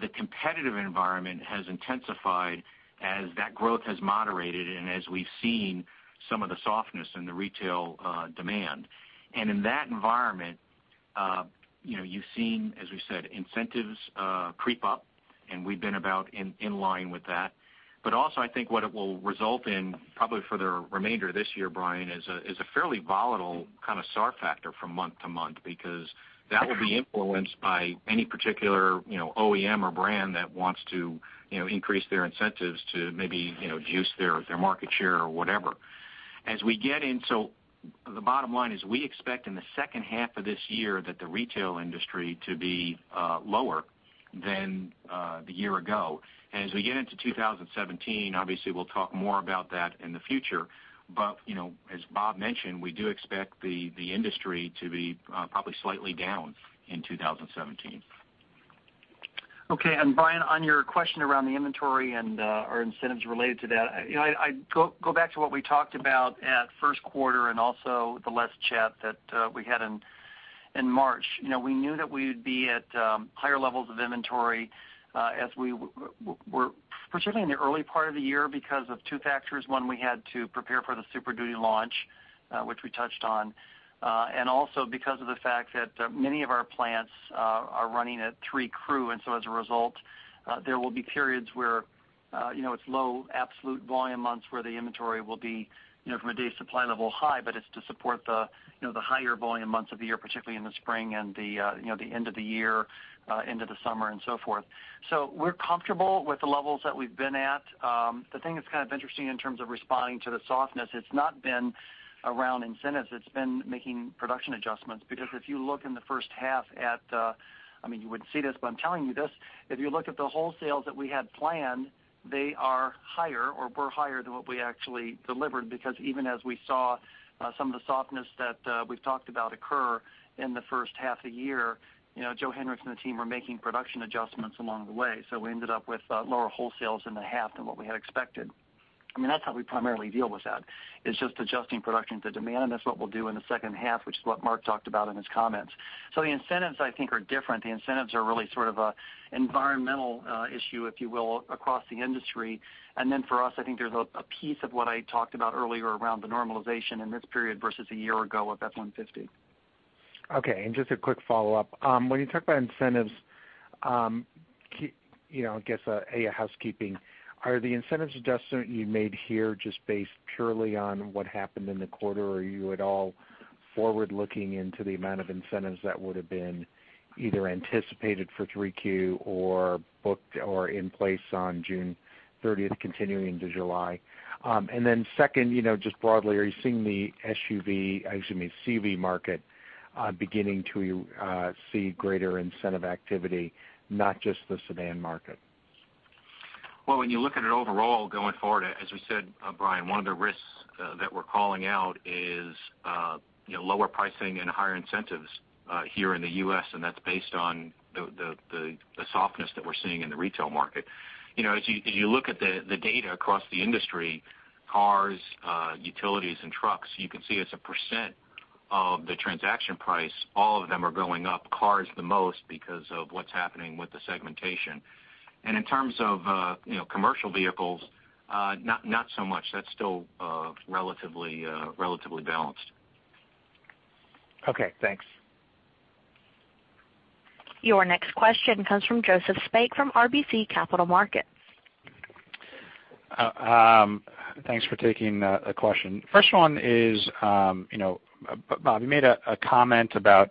[SPEAKER 3] the competitive environment has intensified as that growth has moderated and as we've seen some of the softness in the retail demand. In that environment, you've seen, as we said, incentives creep up, and we've been about in line with that. Also, I think what it will result in, probably for the remainder of this year, Brian, is a fairly volatile kind of SAR factor from month to month, because that will be influenced by any particular OEM or brand that wants to increase their incentives to maybe juice their market share or whatever. The bottom line is we expect in the second half of this year that the retail industry to be lower than the year ago. As we get into 2017, obviously, we'll talk more about that in the future. As Bob mentioned, we do expect the industry to be probably slightly down in 2017.
[SPEAKER 4] Okay. Brian, on your question around the inventory and our incentives related to that, I go back to what we talked about at first quarter and also the last chat that we had in March. We knew that we would be at higher levels of inventory, particularly in the early part of the year because of two factors. One, we had to prepare for the Super Duty launch, which we touched on. Also because of the fact that many of our plants are running at three crew, as a result, there will be periods where it's low absolute volume months where the inventory will be, from a day supply level, high, but it's to support the higher volume months of the year, particularly in the spring and the end of the year, end of the summer and so forth. We're comfortable with the levels that we've been at. The thing that's kind of interesting in terms of responding to the softness, it's not been around incentives. It's been making production adjustments, because if you look in the first half, you wouldn't see this, but I'm telling you this. If you look at the wholesales that we had planned, they are higher or were higher than what we actually delivered because even as we saw some of the softness that we've talked about occur in the first half of the year, Joe Hinrichs and the team are making production adjustments along the way. We ended up with lower wholesales in the half than what we had expected. That's how we primarily deal with that. It's just adjusting production to demand, that's what we'll do in the second half, which is what Mark talked about in his comments. The incentives, I think, are different. The incentives are really sort of an environmental issue, if you will, across the industry. For us, I think there's a piece of what I talked about earlier around the normalization in this period versus a year ago of F-150.
[SPEAKER 5] Okay, just a quick follow-up. When you talk about incentives, I guess, A, a housekeeping. Are the incentives adjustment you made here just based purely on what happened in the quarter or are you at all forward-looking into the amount of incentives that would have been either anticipated for 3Q or booked or in place on June 30th, continuing into July? Second, just broadly, are you seeing the SUV, excuse me, CV market beginning to see greater incentive activity, not just the sedan market?
[SPEAKER 3] When you look at it overall going forward, as we said, Brian, one of the risks that we're calling out is lower pricing and higher incentives here in the U.S., That's based on the softness that we're seeing in the retail market. As you look at the data across the industry, cars, utilities, and trucks, you can see as a % of the transaction price, all of them are going up, cars the most because of what's happening with the segmentation. In terms of commercial vehicles, not so much. That's still relatively balanced.
[SPEAKER 5] Okay, thanks.
[SPEAKER 1] Your next question comes from Joseph Spak from RBC Capital Markets.
[SPEAKER 6] Thanks for taking a question. First one is, Bob, you made a comment about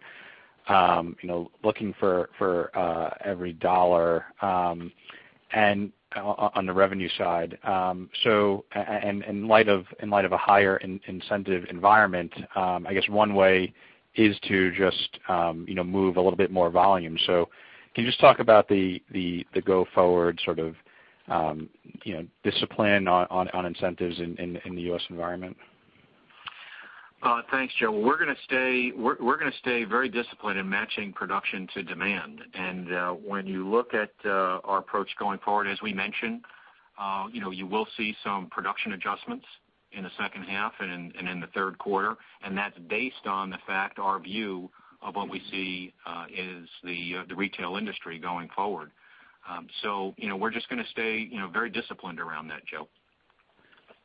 [SPEAKER 6] looking for every dollar on the revenue side. In light of a higher incentive environment, I guess one way is to just move a little bit more volume. Can you just talk about the go forward sort of discipline on incentives in the U.S. environment?
[SPEAKER 3] Thanks, Joe. We're going to stay very disciplined in matching production to demand. When you look at our approach going forward, as we mentioned, you will see some production adjustments in the second half and in the third quarter, and that's based on the fact, our view of what we see is the retail industry going forward. We're just going to stay very disciplined around that, Joe.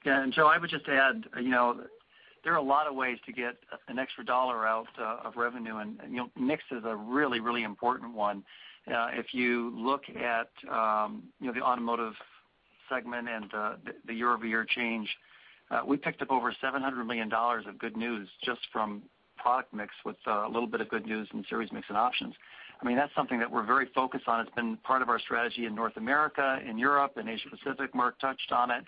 [SPEAKER 4] Yeah. Joe, I would just add, there are a lot of ways to get an extra dollar out of revenue, and mix is a really, really important one. If you look at the automotive segment and the year-over-year change, we picked up over $700 million of good news just from product mix with a little bit of good news in series mix and options. That's something that we're very focused on. It's been part of our strategy in North America, in Europe, and Asia Pacific. Mark touched on it.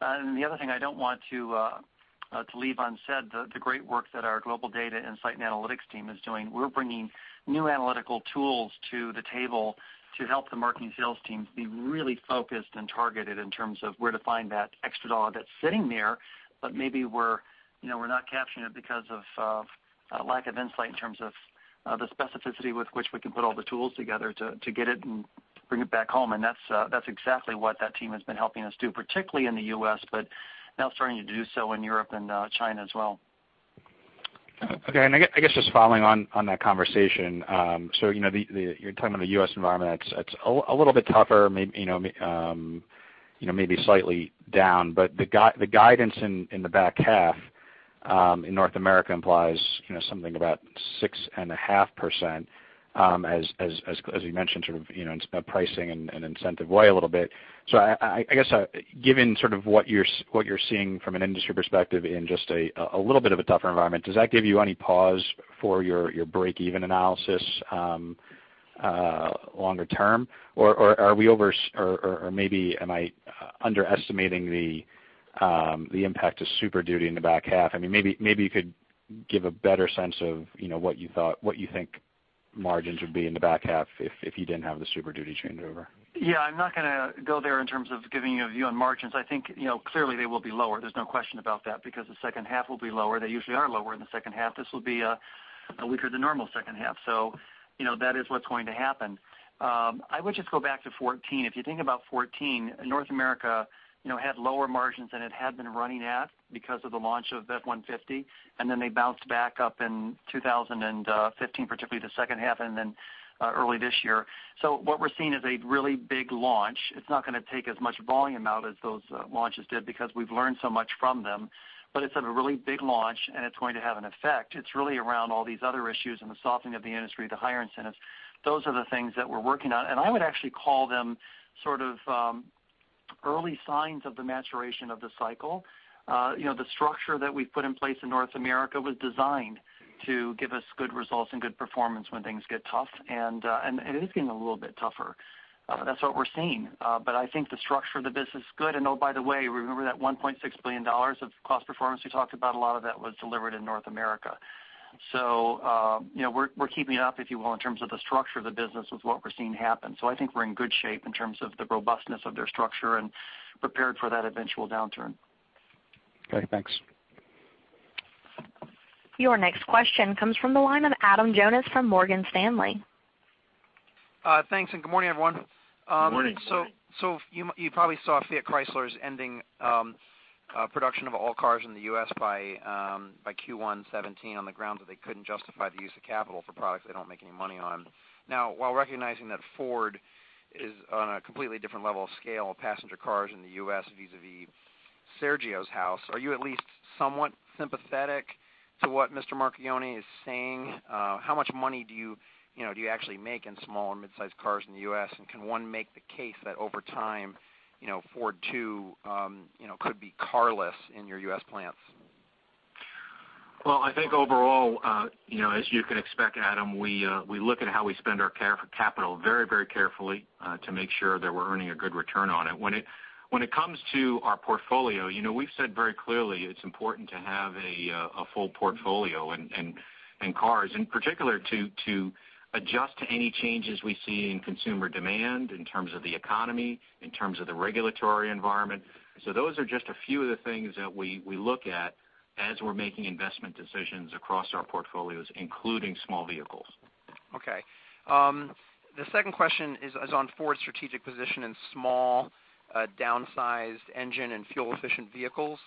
[SPEAKER 4] The other thing I don't want to leave unsaid, the great work that our global data insight and analytics team is doing. We're bringing new analytical tools to the table to help the marketing sales teams be really focused and targeted in terms of where to find that extra dollar that's sitting there, but maybe we're not capturing it because of a lack of insight in terms of the specificity with which we can put all the tools together to get it and bring it back home. That's exactly what that team has been helping us do, particularly in the U.S., but now starting to do so in Europe and China as well.
[SPEAKER 6] Okay. I guess just following on that conversation, you're talking about the U.S. environment, it's a little bit tougher, maybe slightly down, but the guidance in the back half in North America implies something about 6.5% as you mentioned, sort of in pricing and incentive way a little bit. I guess, given sort of what you're seeing from an industry perspective in just a little bit of a tougher environment, does that give you any pause for your breakeven analysis longer term? Or maybe am I underestimating the impact of Super Duty in the back half? Maybe you could give a better sense of what you think margins would be in the back half if you didn't have the Super Duty changeover.
[SPEAKER 4] Yeah. I'm not going to go there in terms of giving you a view on margins. I think, clearly they will be lower. There's no question about that, because the second half will be lower. They usually are lower in the second half. This will be a weaker than normal second half. That is what's going to happen. I would just go back to 2014. If you think about 2014, North America had lower margins than it had been running at because of the launch of F-150, and then they bounced back up in 2015, particularly the second half and then early this year. What we're seeing is a really big launch. It's not going to take as much volume out as those launches did because we've learned so much from them. It's a really big launch and it's going to have an effect. It's really around all these other issues and the softening of the industry, the higher incentives. Those are the things that we're working on. I would actually call them sort of early signs of the maturation of the cycle. The structure that we put in place in North America was designed to give us good results and good performance when things get tough, and it is getting a little bit tougher. That's what we're seeing. I think the structure of the business is good. Oh, by the way, remember that $1.6 billion of cost performance we talked about, a lot of that was delivered in North America. We're keeping up, if you will, in terms of the structure of the business with what we're seeing happen. I think we're in good shape in terms of the robustness of their structure and prepared for that eventual downturn.
[SPEAKER 6] Okay, thanks.
[SPEAKER 1] Your next question comes from the line of Adam Jonas from Morgan Stanley.
[SPEAKER 7] Thanks, good morning, everyone.
[SPEAKER 4] Good morning.
[SPEAKER 7] You probably saw Fiat Chrysler's ending production of all cars in the U.S. by Q1 2017 on the grounds that they couldn't justify the use of capital for products they don't make any money on. While recognizing that Ford is on a completely different level of scale of passenger cars in the U.S. vis-a-vis Sergio's house, are you at least somewhat sympathetic to what Mr. Marchionne is saying? How much money do you actually make in small and mid-sized cars in the U.S., and can one make the case that over time, Ford too could be car-less in your U.S. plants?
[SPEAKER 3] I think overall, as you can expect, Adam, we look at how we spend our capital very carefully to make sure that we're earning a good return on it. When it comes to our portfolio, we've said very clearly it's important to have a full portfolio and cars in particular to adjust to any changes we see in consumer demand in terms of the economy, in terms of the regulatory environment. Those are just a few of the things that we look at as we're making investment decisions across our portfolios, including small vehicles.
[SPEAKER 7] Okay. The second question is on Ford's strategic position in small, downsized engine and fuel-efficient vehicles.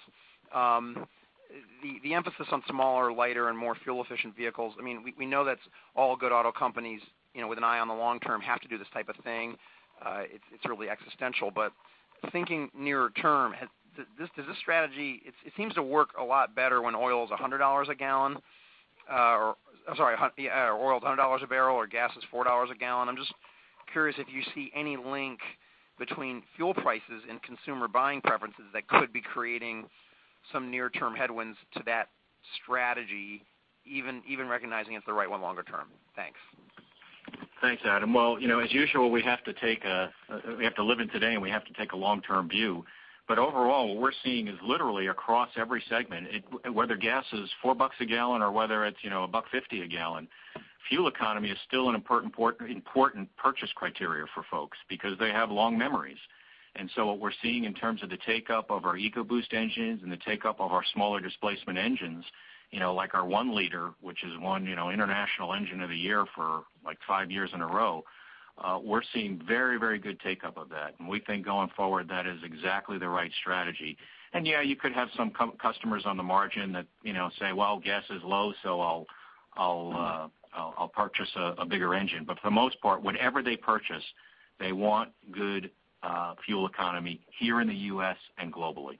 [SPEAKER 7] The emphasis on smaller, lighter and more fuel-efficient vehicles, we know that all good auto companies with an eye on the long term have to do this type of thing. It's really existential. Thinking nearer term, does this strategy, it seems to work a lot better when oil is $100 a barrel or gas is $4 a gallon. I'm just curious if you see any link between fuel prices and consumer buying preferences that could be creating some near-term headwinds to that strategy, even recognizing it's the right one longer term. Thanks.
[SPEAKER 3] Thanks, Adam. As usual, we have to live in today, and we have to take a long-term view. Overall, what we're seeing is literally across every segment, whether gas is $4 a gallon or whether it's $1.50 a gallon, fuel economy is still an important purchase criteria for folks because they have long memories. What we're seeing in terms of the take-up of our EcoBoost engines and the take-up of our smaller displacement engines, like our one liter, which has won International Engine of the Year for five years in a row, we're seeing very good take-up of that. We think going forward, that is exactly the right strategy. Yeah, you could have some customers on the margin that say, "Well, gas is low, so I'll purchase a bigger engine." For the most part, whatever they purchase, they want good fuel economy here in the U.S. and globally.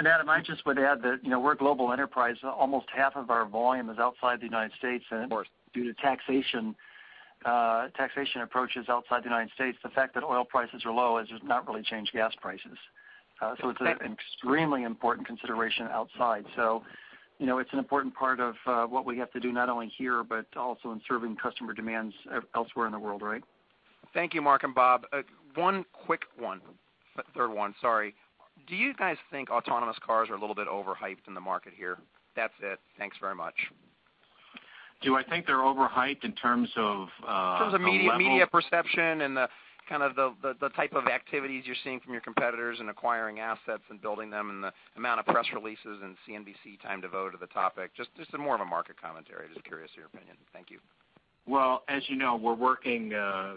[SPEAKER 4] Adam, I just would add that we're a global enterprise. Almost half of our volume is outside the United States.
[SPEAKER 7] Of course.
[SPEAKER 4] Due to taxation approaches outside the United States, the fact that oil prices are low has not really changed gas prices. It's an extremely important consideration outside. It's an important part of what we have to do not only here, but also in serving customer demands elsewhere in the world, right?
[SPEAKER 7] Thank you, Mark and Bob. One quick one. Third one, sorry. Do you guys think autonomous cars are a little bit overhyped in the market here? That's it. Thanks very much.
[SPEAKER 3] Do I think they're overhyped in terms of the level-
[SPEAKER 7] In terms of media perception and the type of activities you're seeing from your competitors in acquiring assets and building them and the amount of press releases and CNBC time devoted to the topic. Just a more of a market commentary. Just curious of your opinion. Thank you.
[SPEAKER 3] Well, as you know, we're working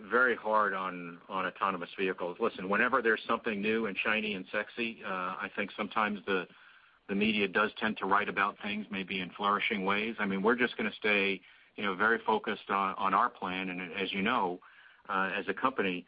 [SPEAKER 3] very hard on autonomous vehicles. Listen, whenever there's something new and shiny and sexy, I think sometimes the media does tend to write about things maybe in flourishing ways. We're just going to stay very focused on our plan. As you know, as a company,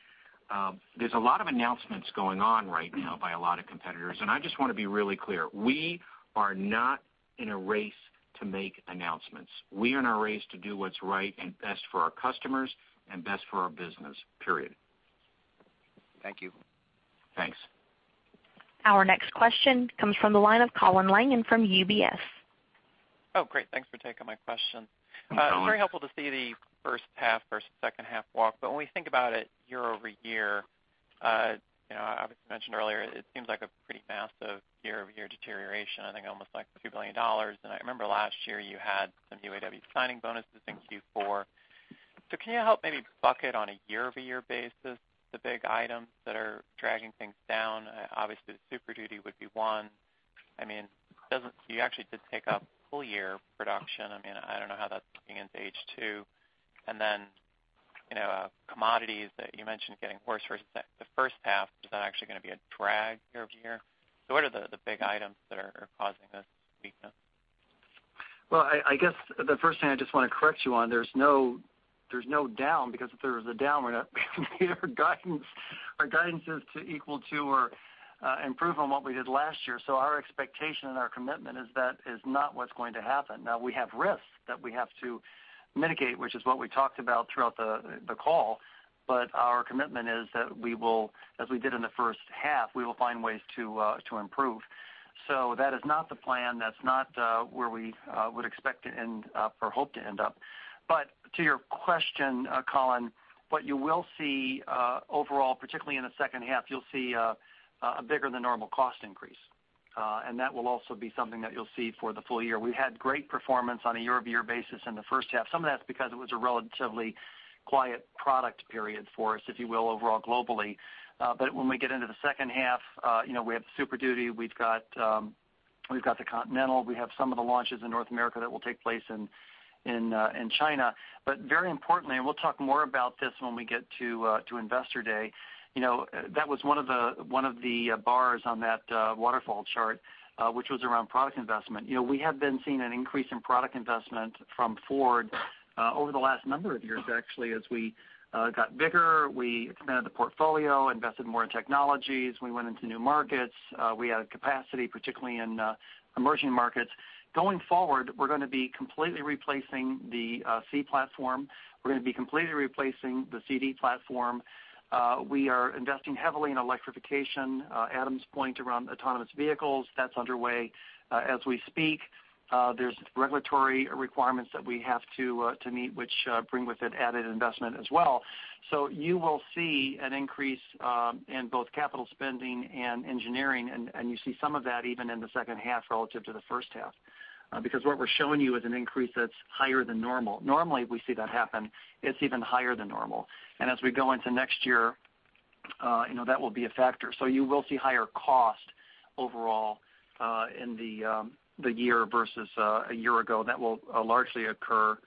[SPEAKER 3] there's a lot of announcements going on right now by a lot of competitors. I just want to be really clear, we are not in a race to make announcements. We are in a race to do what's right and best for our customers and best for our business, period.
[SPEAKER 4] Thank you.
[SPEAKER 3] Thanks.
[SPEAKER 1] Our next question comes from the line of Colin Langan from UBS.
[SPEAKER 8] Oh, great. Thanks for taking my question.
[SPEAKER 3] Hi, Colin.
[SPEAKER 8] It's very helpful to see the first half versus second half walk, when we think about it year-over-year, obviously mentioned earlier, it seems like a pretty massive year-over-year deterioration. I think almost like $2 billion. I remember last year you had some UAW signing bonuses in Q4. Can you help maybe bucket on a year-over-year basis the big items that are dragging things down? Obviously, the Super Duty would be one. You actually did take a full-year production. I don't know how that's looking into H2. Then, commodities that you mentioned getting worse versus the first half. Is that actually going to be a drag year-over-year? What are the big items that are causing this weakness?
[SPEAKER 4] Well, I guess the first thing I just want to correct you on, there's no down because if there was a down, we're not meeting our guidance. Our guidance is to equal to or improve on what we did last year. Our expectation and our commitment is that is not what's going to happen. We have risks that we have to mitigate, which is what we talked about throughout the call. Our commitment is that we will, as we did in the first half, we will find ways to improve. That is not the plan. That's not where we would expect to end up or hope to end up. To your question, Colin, what you will see, overall, particularly in the second half, you'll see a bigger than normal cost increase. That will also be something that you'll see for the full year. We had great performance on a year-over-year basis in the first half. Some of that's because it was a relatively quiet product period for us, if you will, overall globally. When we get into the second half, we have Super Duty, we've got the Continental, we have some of the launches in North America that will take place in China. Very importantly, and we'll talk more about this when we get to Investor Day. That was one of the bars on that waterfall chart, which was around product investment. We have been seeing an increase in product investment from Ford over the last number of years, actually, as we got bigger, we expanded the portfolio, invested more in technologies. We went into new markets. We added capacity, particularly in emerging markets. Going forward, we're going to be completely replacing the C platform. We're going to be completely replacing the CD platform. We are investing heavily in electrification. Adam's point around autonomous vehicles, that's underway as we speak. There's regulatory requirements that we have to meet which bring with it added investment as well. You will see an increase in both capital spending and engineering, and you see some of that even in the second half relative to the first half. What we're showing you is an increase that's higher than normal. Normally, we see that happen, it's even higher than normal. As we go into next year, that will be a factor. You will see higher cost overall in the year versus a year-ago. That will largely occur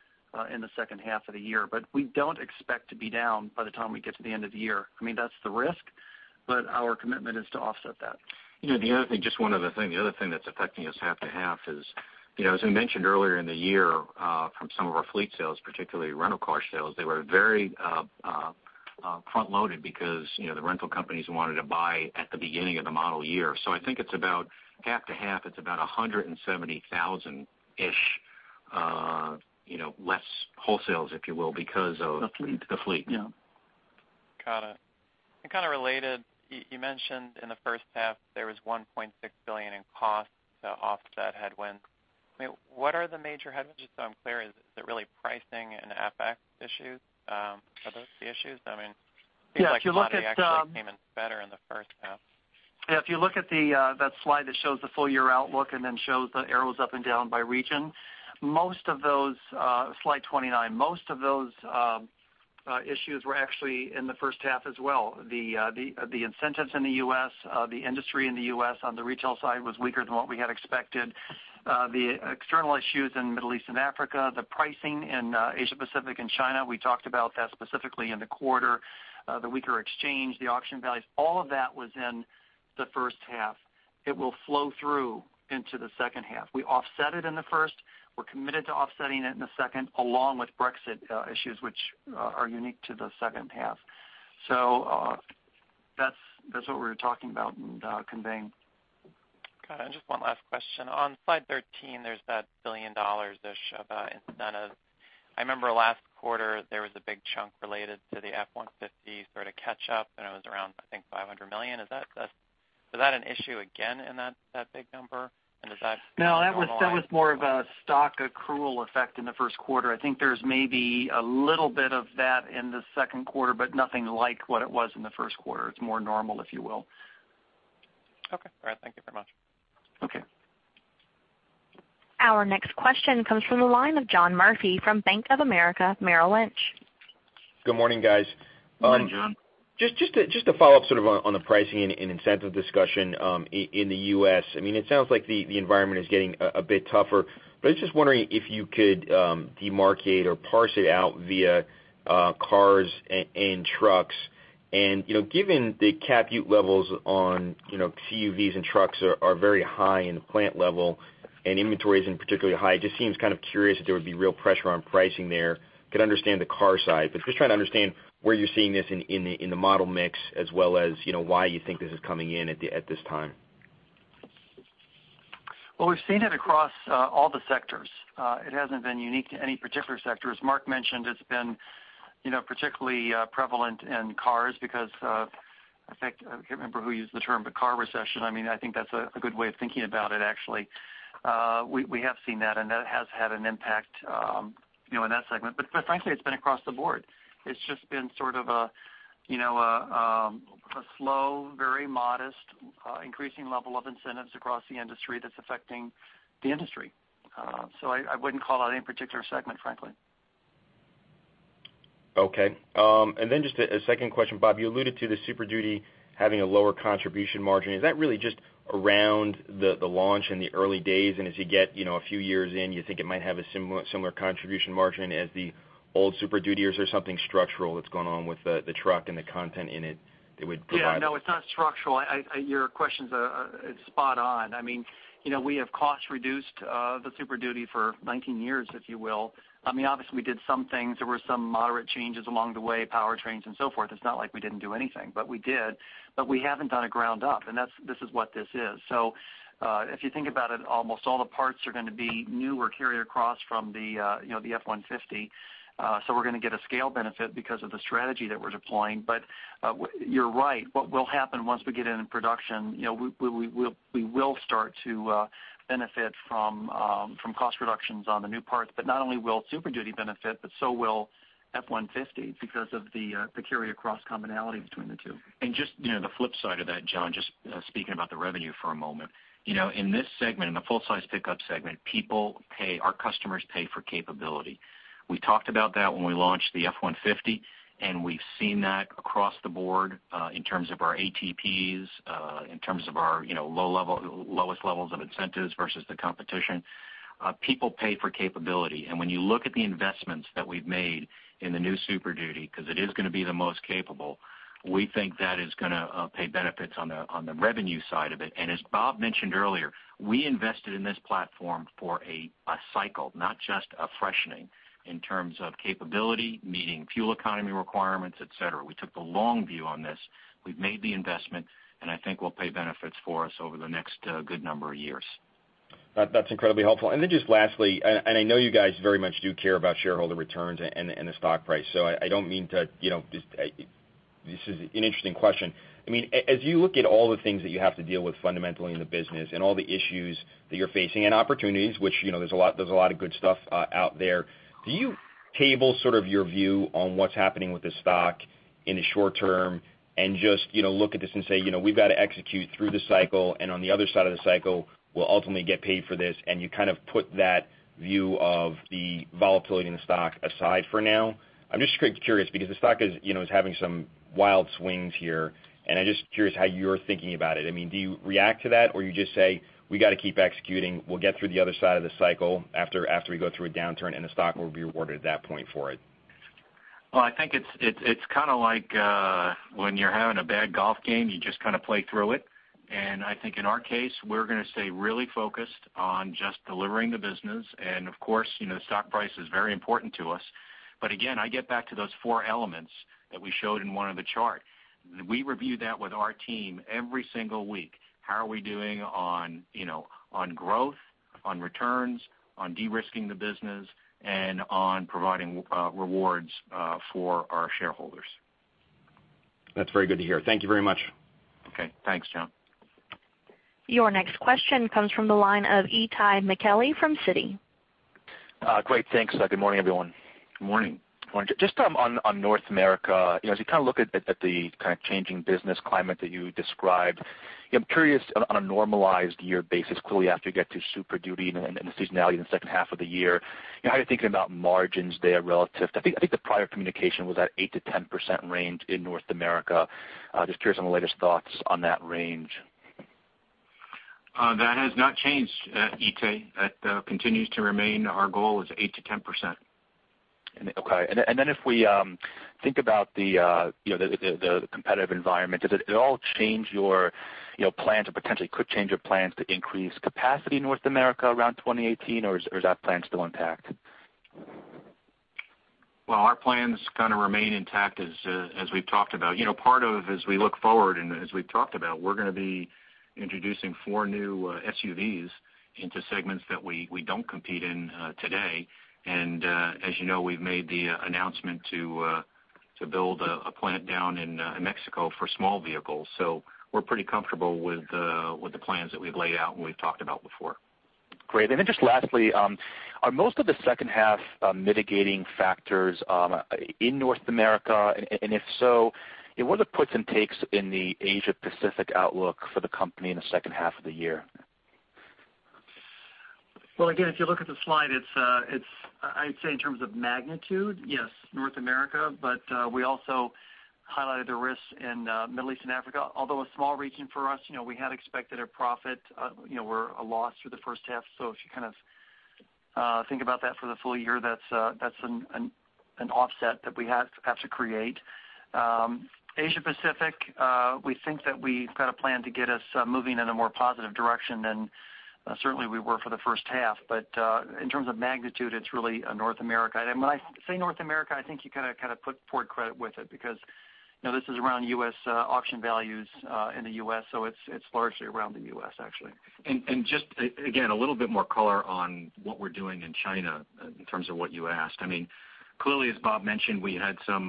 [SPEAKER 4] in the second half of the year. We don't expect to be down by the time we get to the end of the year. That's the risk, our commitment is to offset that.
[SPEAKER 3] The other thing, just one other thing. The other thing that's affecting us half to half is, as we mentioned earlier in the year from some of our fleet sales, particularly rental car sales, they were very front-loaded because the rental companies wanted to buy at the beginning of the model year. I think half to half, it's about 170,000-ish less wholesales, if you will, because of-
[SPEAKER 4] The fleet
[SPEAKER 3] the fleet.
[SPEAKER 4] Yeah.
[SPEAKER 8] Got it. Kind of related, you mentioned in the first half there was $1.6 billion in costs to offset headwinds. What are the major headwinds? Just so I'm clear, is it really pricing and FX issues? Are those the issues? It seems like-
[SPEAKER 4] Yeah, if you look at.
[SPEAKER 8] actually came in better in the first half.
[SPEAKER 4] Yeah, if you look at that slide that shows the full-year outlook and then shows the arrows up and down by region, Slide 29, most of those issues were actually in the first half as well. The incentives in the U.S., the industry in the U.S. on the retail side was weaker than what we had expected. The external issues in Middle East and Africa, the pricing in Asia-Pacific and China, we talked about that specifically in the quarter. The weaker exchange, the auction values, all of that was in the first half. It will flow through into the second half. We offset it in the first. We're committed to offsetting it in the second, along with Brexit issues, which are unique to the second half. That's what we were talking about and conveying.
[SPEAKER 8] Got it. Just one last question. On Slide 13, there's that $1 billion-ish of incentives. I remember last quarter, there was a big chunk related to the F-150 sort of catch up, and it was around, I think, $500 million. Is that an issue again in that big number? Is that?
[SPEAKER 4] No, that was more of a stock accrual effect in the first quarter. I think there's maybe a little bit of that in the second quarter, but nothing like what it was in the first quarter. It's more normal, if you will.
[SPEAKER 8] Okay. All right. Thank you very much.
[SPEAKER 4] Okay.
[SPEAKER 1] Our next question comes from the line of John Murphy from Bank of America Merrill Lynch.
[SPEAKER 9] Good morning, guys.
[SPEAKER 3] Good morning, John.
[SPEAKER 9] To follow up sort of on the pricing and incentive discussion in the U.S. It sounds like the environment is getting a bit tougher, but I was just wondering if you could demarcate or parse it out via cars and trucks. Given the cap util levels on SUVs and trucks are very high in the plant level and inventories particularly high, just seems kind of curious if there would be real pressure on pricing there. I could understand the car side, but just trying to understand where you're seeing this in the model mix as well as why you think this is coming in at this time.
[SPEAKER 4] Well, we've seen it across all the sectors. It hasn't been unique to any particular sector. As Mark mentioned, it's been particularly prevalent in cars because of, I can't remember who used the term, but car recession. I think that's a good way of thinking about it, actually. We have seen that, and that has had an impact in that segment. Frankly, it's been across the board. It's just been sort of a slow, very modest increasing level of incentives across the industry that's affecting the industry. I wouldn't call out any particular segment, frankly.
[SPEAKER 9] Okay. Then just a second question, Bob. You alluded to the Super Duty having a lower contribution margin. Is that really just around the launch in the early days, and as you get a few years in, you think it might have a similar contribution margin as the old Super Duty? Or is there something structural that's going on with the truck and the content in it that would provide.
[SPEAKER 3] Yeah, no, it's not structural. Your question's spot on. We have cost reduced the Super Duty for 19 years, if you will. Obviously, we did some things. There were some moderate changes along the way, powertrains and so forth. It's not like we didn't do anything, but we did. We haven't done a ground up, and this is what this is. If you think about it, almost all the parts are going to be new or carry across from the F-150. We're going to get a scale benefit because of the strategy that we're deploying. You're right. What will happen once we get it in production, we will start to benefit from cost reductions on the new parts. Not only will Super Duty benefit, but so will F-150 because of the carry across commonality between the two. Just the flip side of that, John, just speaking about the revenue for a moment. In this segment, in the full-size pickup segment, our customers pay for capability. We talked about that when we launched the F-150, and we've seen that across the board in terms of our ATPs, in terms of our lowest levels of incentives versus the competition. People pay for capability. When you look at the investments that we've made in the new Super Duty, because it is going to be the most capable, we think that is going to pay benefits on the revenue side of it. As Bob mentioned earlier, we invested in this platform for a cycle, not just a freshening in terms of capability, meeting fuel economy requirements, et cetera. We took the long view on this. We've made the investment, and I think will pay benefits for us over the next good number of years.
[SPEAKER 9] That's incredibly helpful. Just lastly, and I know you guys very much do care about shareholder returns and the stock price, so I don't mean to. This is an interesting question. As you look at all the things that you have to deal with fundamentally in the business and all the issues that you're facing and opportunities, which there's a lot of good stuff out there, do you table sort of your view on what's happening with the stock in the short term and just look at this and say, "We've got to execute through the cycle, and on the other side of the cycle, we'll ultimately get paid for this," and you kind of put that view of the volatility in the stock aside for now? I'm just curious because the stock is having some wild swings here, and I'm just curious how you're thinking about it. Do you react to that or you just say, "We got to keep executing. We'll get through the other side of the cycle after we go through a downturn, and the stock will be rewarded at that point for it"?
[SPEAKER 3] Well, I think it's kind of like when you're having a bad golf game, you just kind of play through it. I think in our case, we're going to stay really focused on just delivering the business. Of course, the stock price is very important to us. Again, I get back to those four elements that we showed in one of the charts. We review that with our team every single week. How are we doing on growth, on returns, on de-risking the business, and on providing rewards for our shareholders.
[SPEAKER 9] That's very good to hear. Thank you very much.
[SPEAKER 3] Okay. Thanks, John.
[SPEAKER 1] Your next question comes from the line of Itay Michaeli from Citi.
[SPEAKER 10] Great. Thanks. Good morning, everyone.
[SPEAKER 3] Good morning.
[SPEAKER 10] Just on North America, as you kind of look at the kind of changing business climate that you described, I'm curious on a normalized year basis, clearly after you get to Super Duty and the seasonality in the second half of the year, how are you thinking about margins there relative to I think the prior communication was at 8%-10% range in North America. Just curious on the latest thoughts on that range.
[SPEAKER 3] That has not changed, Itay. That continues to remain our goal is 8%-10%.
[SPEAKER 10] Okay. If we think about the competitive environment, does it at all change your plan to potentially quick change your plans to increase capacity in North America around 2018, or is that plan still intact?
[SPEAKER 3] Well, our plans kind of remain intact as we've talked about. Part of as we look forward and as we've talked about, we're going to be introducing four new SUVs into segments that we don't compete in today. As you know, we've made the announcement to build a plant down in Mexico for small vehicles. We're pretty comfortable with the plans that we've laid out and we've talked about before.
[SPEAKER 10] Great. Just lastly, are most of the second half mitigating factors in North America, and if so, what are the puts and takes in the Asia-Pacific outlook for the company in the second half of the year?
[SPEAKER 4] Again, if you look at the slide, I'd say in terms of magnitude, yes, North America. We also highlighted the risks in Middle East and Africa. Although a small region for us, we had expected a profit, or a loss for the first half. If you think about that for the full year, that's an offset that we have to create. Asia Pacific, we think that we've got a plan to get us moving in a more positive direction than certainly we were for the first half. In terms of magnitude, it's really North America. When I say North America, I think you kind of put Ford Credit with it because this is around U.S. auction values in the U.S., so it's largely around the U.S., actually.
[SPEAKER 3] Just, again, a little bit more color on what we're doing in China in terms of what you asked. Clearly, as Bob mentioned, we had some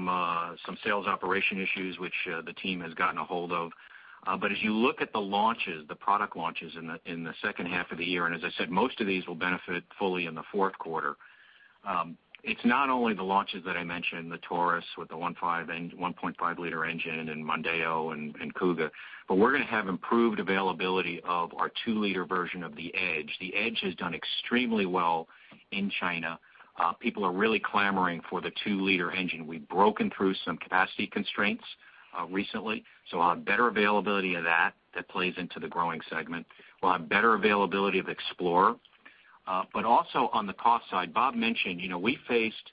[SPEAKER 3] sales operation issues, which the team has gotten a hold of. As you look at the launches, the product launches in the second half of the year, as I said, most of these will benefit fully in the fourth quarter. It's not only the launches that I mentioned, the Taurus with the 1.5-liter engine and Mondeo and Kuga, we're going to have improved availability of our 2-liter version of the Edge. The Edge has done extremely well in China. People are really clamoring for the 2-liter engine. We've broken through some capacity constraints recently, so we'll have better availability of that. That plays into the growing segment. We'll have better availability of Explorer. Also on the cost side, Bob mentioned we faced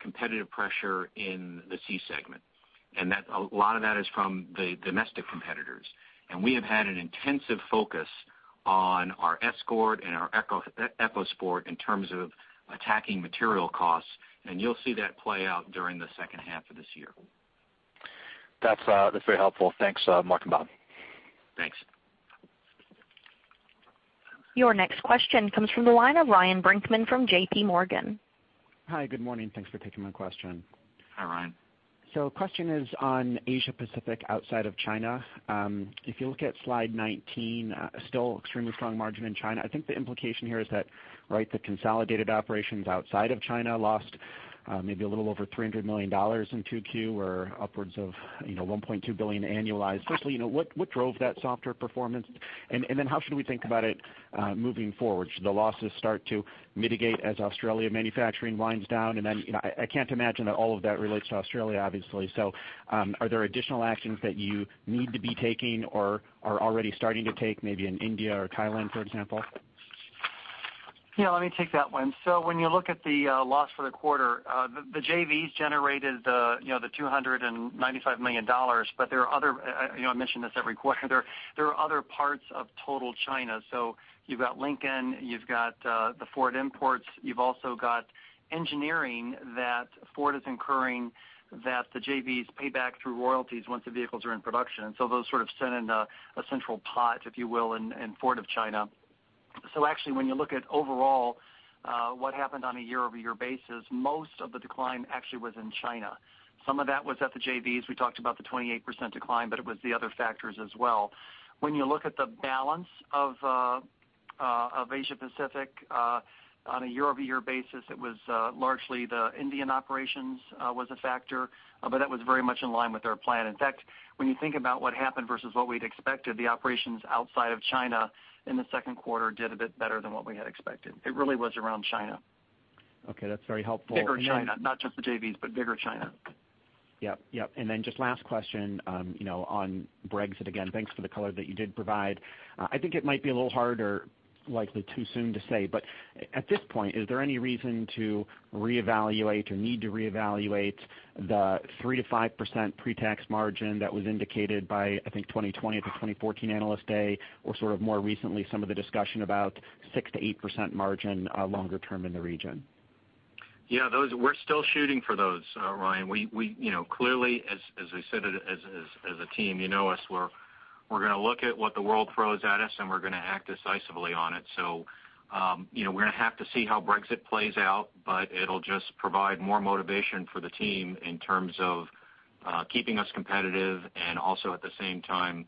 [SPEAKER 3] competitive pressure in the C segment. A lot of that is from the domestic competitors. We have had an intensive focus on our Escort and our EcoSport in terms of attacking material costs. You'll see that play out during the second half of this year.
[SPEAKER 10] That's very helpful. Thanks, Mark and Bob.
[SPEAKER 3] Thanks.
[SPEAKER 1] Your next question comes from the line of Ryan Brinkman from J.P. Morgan.
[SPEAKER 11] Hi, good morning. Thanks for taking my question.
[SPEAKER 3] Hi, Ryan.
[SPEAKER 11] Question is on Asia Pacific outside of China. If you look at slide 19, still extremely strong margin in China. I think the implication here is that the consolidated operations outside of China lost maybe a little over $300 million in 2Q or upwards of $1.2 billion annualized. Firstly, what drove that softer performance? How should we think about it moving forward? Should the losses start to mitigate as Australia manufacturing winds down? I can't imagine that all of that relates to Australia, obviously. Are there additional actions that you need to be taking or are already starting to take, maybe in India or Thailand, for example?
[SPEAKER 4] Let me take that one. When you look at the loss for the quarter, the JVs generated the $295 million. There are other, I mention this every quarter, there are other parts of total China. You've got Lincoln, you've got the Ford imports. You've also got engineering that Ford is incurring that the JVs pay back through royalties once the vehicles are in production. Those sort of sit in a central pot, if you will, in Ford of China. Actually, when you look at overall what happened on a year-over-year basis, most of the decline actually was in China. Some of that was at the JVs. We talked about the 28% decline, it was the other factors as well. When you look at the balance of Asia Pacific on a year-over-year basis, it was largely the Indian operations was a factor. That was very much in line with our plan. In fact, when you think about what happened versus what we'd expected, the operations outside of China in the second quarter did a bit better than what we had expected. It really was around China.
[SPEAKER 11] That's very helpful.
[SPEAKER 4] Bigger China, not just the JVs, bigger China.
[SPEAKER 11] Yep. Then just last question on Brexit. Again, thanks for the color that you did provide. I think it might be a little hard or likely too soon to say, but at this point, is there any reason to reevaluate or need to reevaluate the 3%-5% pre-tax margin that was indicated by, I think, 2020 at the 2014 Analyst Day, or sort of more recently, some of the discussion about 6%-8% margin longer term in the region?
[SPEAKER 3] Yeah, we're still shooting for those, Ryan. Clearly, as I said, as a team, you know us. We're going to look at what the world throws at us, and we're going to act decisively on it. We're going to have to see how Brexit plays out, it'll just provide more motivation for the team in terms of keeping us competitive and also at the same time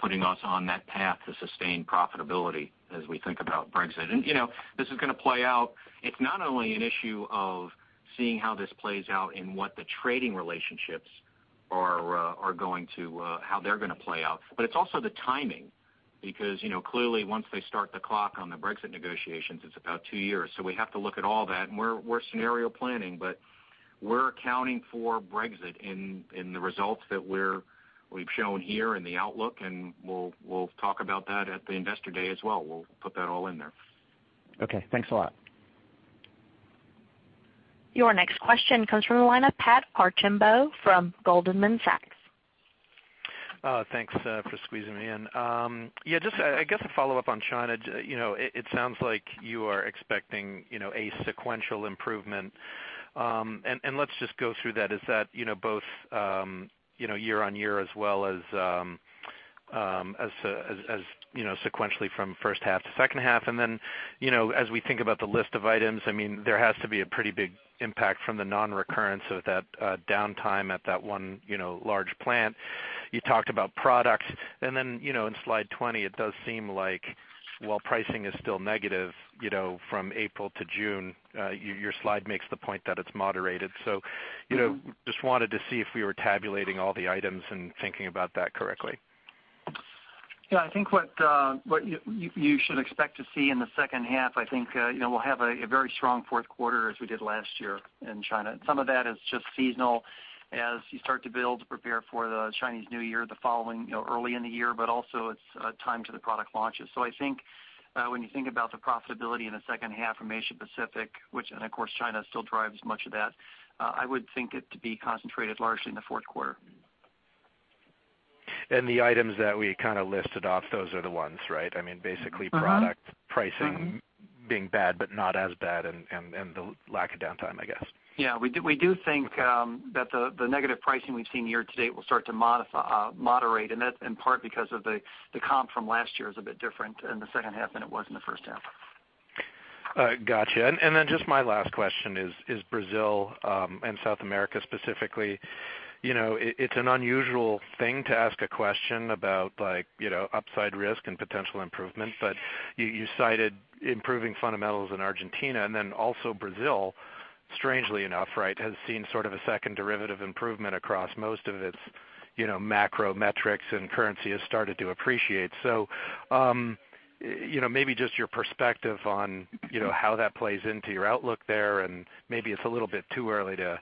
[SPEAKER 3] putting us on that path to sustain profitability as we think about Brexit. This is going to play out. It's not only an issue of seeing how this plays out in what the trading relationships are going to, how they're going to play out. It's also the timing because clearly once they start the clock on the Brexit negotiations, it's about two years. We have to look at all that, and we're scenario planning. We're accounting for Brexit in the results that we've shown here and the outlook, and we'll talk about that at the Investor Day as well. We'll put that all in there.
[SPEAKER 11] Okay, thanks a lot.
[SPEAKER 1] Your next question comes from the line of Pat Archambault from Goldman Sachs.
[SPEAKER 12] Thanks for squeezing me in. Yeah, just I guess a follow-up on China. It sounds like you are expecting a sequential improvement, let's just go through that. Is that both year-over-year as well as sequentially from first half to second half? As we think about the list of items, there has to be a pretty big impact from the non-recurrence of that downtime at that one large plant. You talked about products, in slide 20, it does seem like while pricing is still negative from April to June, your slide makes the point that it's moderated. Just wanted to see if we were tabulating all the items and thinking about that correctly.
[SPEAKER 4] Yeah, I think what you should expect to see in the second half, I think we'll have a very strong fourth quarter as we did last year in China. Some of that is just seasonal as you start to build to prepare for the Chinese New Year, the following early in the year, it's time to the product launches. I think when you think about the profitability in the second half from Asia Pacific, which, and of course, China still drives much of that, I would think it to be concentrated largely in the fourth quarter.
[SPEAKER 12] The items that we listed off, those are the ones, right? I mean, basically product pricing being bad but not as bad and the lack of downtime, I guess.
[SPEAKER 4] We do think that the negative pricing we've seen year-to-date will start to moderate, and that's in part because of the comp from last year is a bit different in the second half than it was in the first half.
[SPEAKER 12] Got you. My last question is Brazil, and South America specifically. It's an unusual thing to ask a question about upside risk and potential improvement, you cited improving fundamentals in Argentina, also Brazil, strangely enough has seen sort of a second derivative improvement across most of its macro metrics and currency has started to appreciate. Maybe just your perspective on how that plays into your outlook there, and maybe it's a little bit too early to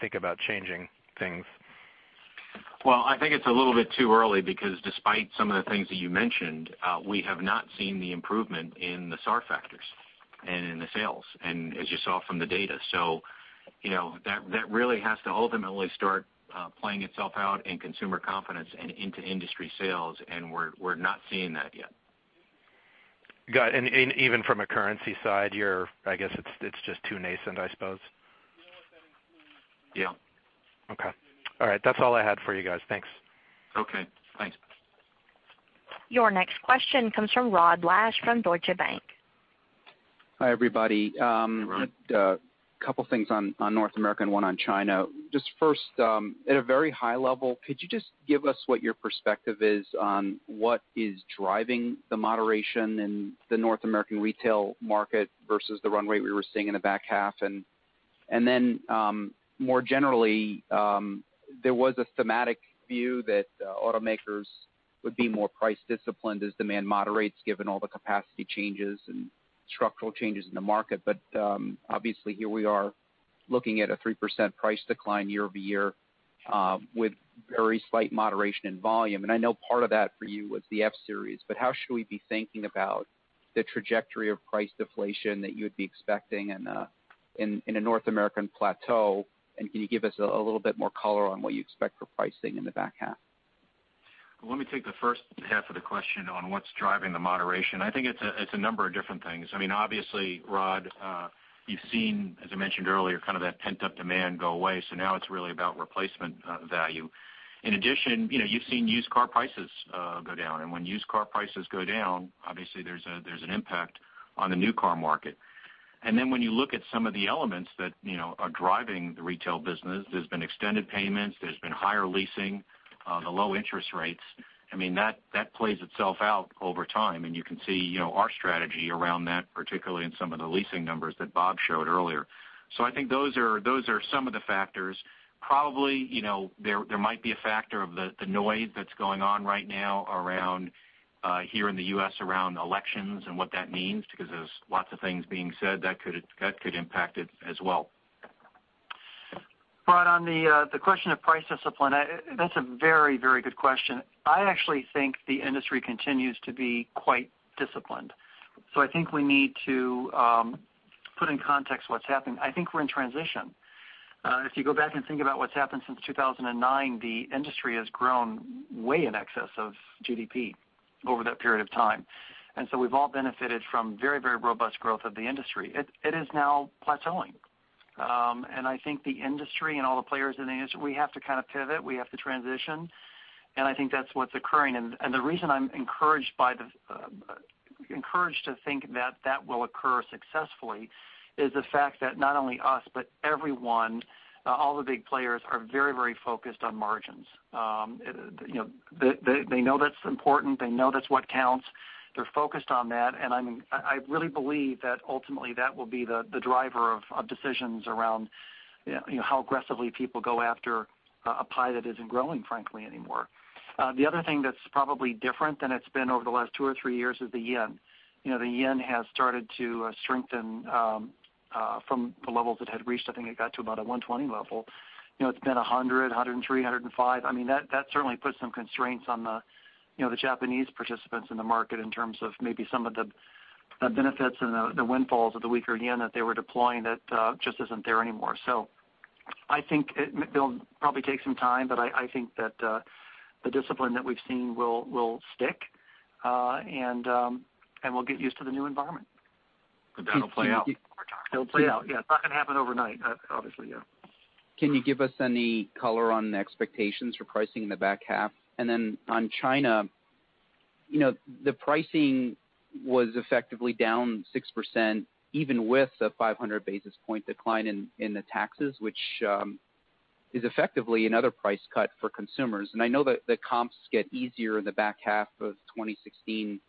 [SPEAKER 12] think about changing things.
[SPEAKER 3] I think it's a little bit too early because despite some of the things that you mentioned, we have not seen the improvement in the SAR factors and in the sales, and as you saw from the data. That really has to ultimately start playing itself out in consumer confidence and into industry sales, and we're not seeing that yet.
[SPEAKER 12] Got it. Even from a currency side, I guess it's just too nascent, I suppose?
[SPEAKER 3] Yeah.
[SPEAKER 12] Okay. All right. That's all I had for you guys. Thanks.
[SPEAKER 3] Okay. Thanks.
[SPEAKER 1] Your next question comes from Rod Lache from Deutsche Bank.
[SPEAKER 13] Hi, everybody.
[SPEAKER 3] Hey, Rod.
[SPEAKER 13] A couple things on North America and one on China. Just first, at a very high level, could you just give us what your perspective is on what is driving the moderation in the North American retail market versus the run rate we were seeing in the back half? More generally, there was a thematic view that automakers would be more price disciplined as demand moderates given all the capacity changes and structural changes in the market. Obviously here we are looking at a 3% price decline year-over-year, with very slight moderation in volume. I know part of that for you was the F-Series, but how should we be thinking about the trajectory of price deflation that you would be expecting in a North American plateau? Can you give us a little bit more color on what you expect for pricing in the back half?
[SPEAKER 3] Let me take the first half of the question on what's driving the moderation. I think it's a number of different things. Obviously, Rod, you've seen, as I mentioned earlier, kind of that pent-up demand go away. Now it's really about replacement value. In addition, you've seen used car prices go down. When used car prices go down, obviously there's an impact on the new car market. When you look at some of the elements that are driving the retail business, there's been extended payments, there's been higher leasing, the low interest rates. That plays itself out over time, and you can see our strategy around that, particularly in some of the leasing numbers that Bob showed earlier. I think those are some of the factors. Probably, there might be a factor of the noise that's going on right now here in the U.S. around elections and what that means, because there's lots of things being said. That could impact it as well.
[SPEAKER 4] Rod, on the question of price discipline, that's a very good question. I actually think the industry continues to be quite disciplined. I think we need to put in context what's happened. I think we're in transition. If you go back and think about what's happened since 2009, the industry has grown way in excess of GDP over that period of time. We've all benefited from very robust growth of the industry. It is now plateauing. I think the industry and all the players in the industry, we have to kind of pivot. We have to transition, and I think that's what's occurring. The reason I'm encouraged to think that that will occur successfully is the fact that not only us, but everyone, all the big players are very focused on margins. They know that's important. They know that's what counts. They're focused on that. I really believe that ultimately that will be the driver of decisions around how aggressively people go after a pie that isn't growing, frankly, anymore. The other thing that's probably different than it's been over the last two or three years is the yen. The yen has started to strengthen from the levels it had reached. I think it got to about a 120 level. It's been 100, 103, 105. That certainly puts some constraints on the Japanese participants in the market in terms of maybe some of the benefits and the windfalls of the weaker yen that they were deploying that just isn't there anymore. I think it'll probably take some time, I think that the discipline that we've seen will stick, and we'll get used to the new environment.
[SPEAKER 3] That'll play out over time.
[SPEAKER 4] It'll play out. Yeah. It's not going to happen overnight, obviously.
[SPEAKER 13] Can you give us any color on the expectations for pricing in the back half? Then on China, the pricing was effectively down 6%, even with the 500 basis point decline in the taxes, which is effectively another price cut for consumers. I know that the comps get easier in the back half of 2016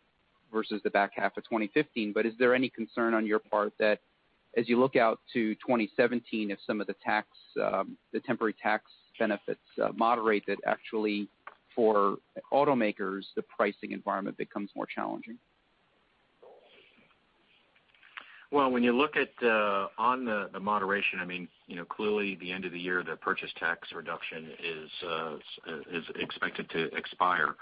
[SPEAKER 13] versus the back half of 2015, but is there any concern on your part that As you look out to 2017, if some of the temporary tax benefits moderated, actually for automakers, the pricing environment becomes more challenging.
[SPEAKER 3] Well, when you look on the moderation, clearly at the end of the year, the purchase tax reduction is expected to expire.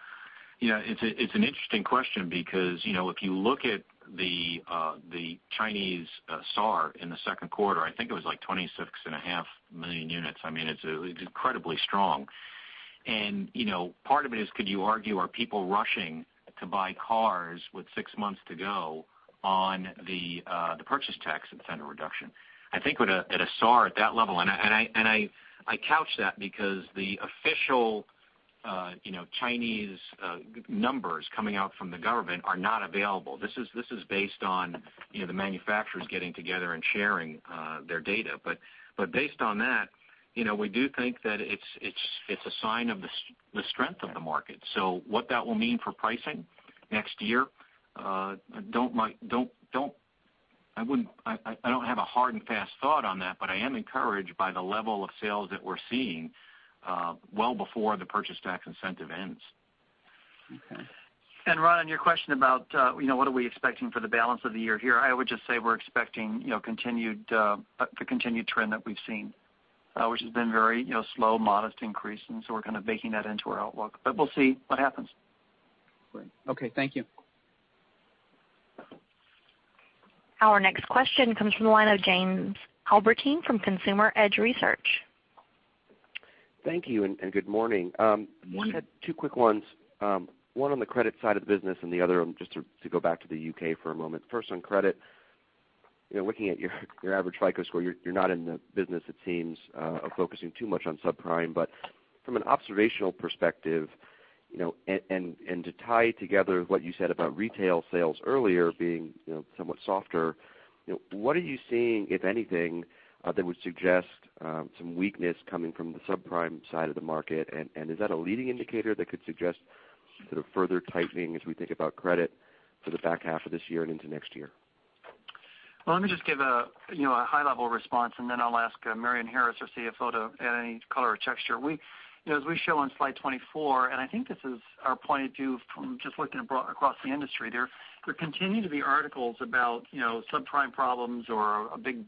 [SPEAKER 3] It's an interesting question because, if you look at the Chinese SAAR in the second quarter, I think it was like 26.5 million units. It's incredibly strong. Part of it is could you argue, are people rushing to buy cars with six months to go on the purchase tax incentive reduction? I think at a SAAR at that level, and I couch that because the official Chinese numbers coming out from the government are not available. This is based on the manufacturers getting together and sharing their data. Based on that, we do think that it's a sign of the strength of the market. What that will mean for pricing next year, I don't have a hard and fast thought on that, but I am encouraged by the level of sales that we're seeing well before the purchase tax incentive ends.
[SPEAKER 13] Okay.
[SPEAKER 4] Rod, on your question about what are we expecting for the balance of the year here, I would just say we're expecting the continued trend that we've seen, which has been very slow, modest increases, so we're kind of baking that into our outlook. We'll see what happens.
[SPEAKER 13] Great. Okay. Thank you.
[SPEAKER 1] Our next question comes from the line of James Albertine from Consumer Edge Research.
[SPEAKER 14] Thank you. Good morning.
[SPEAKER 4] Good morning.
[SPEAKER 14] I had two quick ones. One on the credit side of the business and the other just to go back to the U.K. for a moment. First on credit, looking at your average FICO score, you're not in the business, it seems, of focusing too much on subprime. From an observational perspective, and to tie together what you said about retail sales earlier being somewhat softer, what are you seeing, if anything, that would suggest some weakness coming from the subprime side of the market? Is that a leading indicator that could suggest sort of further tightening as we think about credit for the back half of this year and into next year?
[SPEAKER 4] Well, let me just give a high-level response, and then I'll ask Marion Harris, our CFO, to add any color or texture. As we show on slide 24, I think this is our point of view from just looking across the industry there. There continue to be articles about subprime problems or a big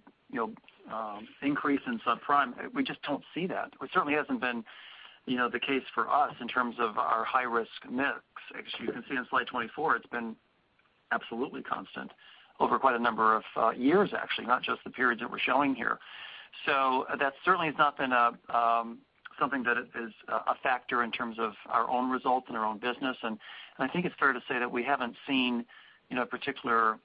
[SPEAKER 4] increase in subprime. We just don't see that. It certainly hasn't been the case for us in terms of our high-risk mix. As you can see on slide 24, it's been absolutely constant over quite a number of years, actually, not just the periods that we're showing here. That certainly has not been something that is a factor in terms of our own results and our own business, I think it's fair to say that we haven't seen a particular boomlet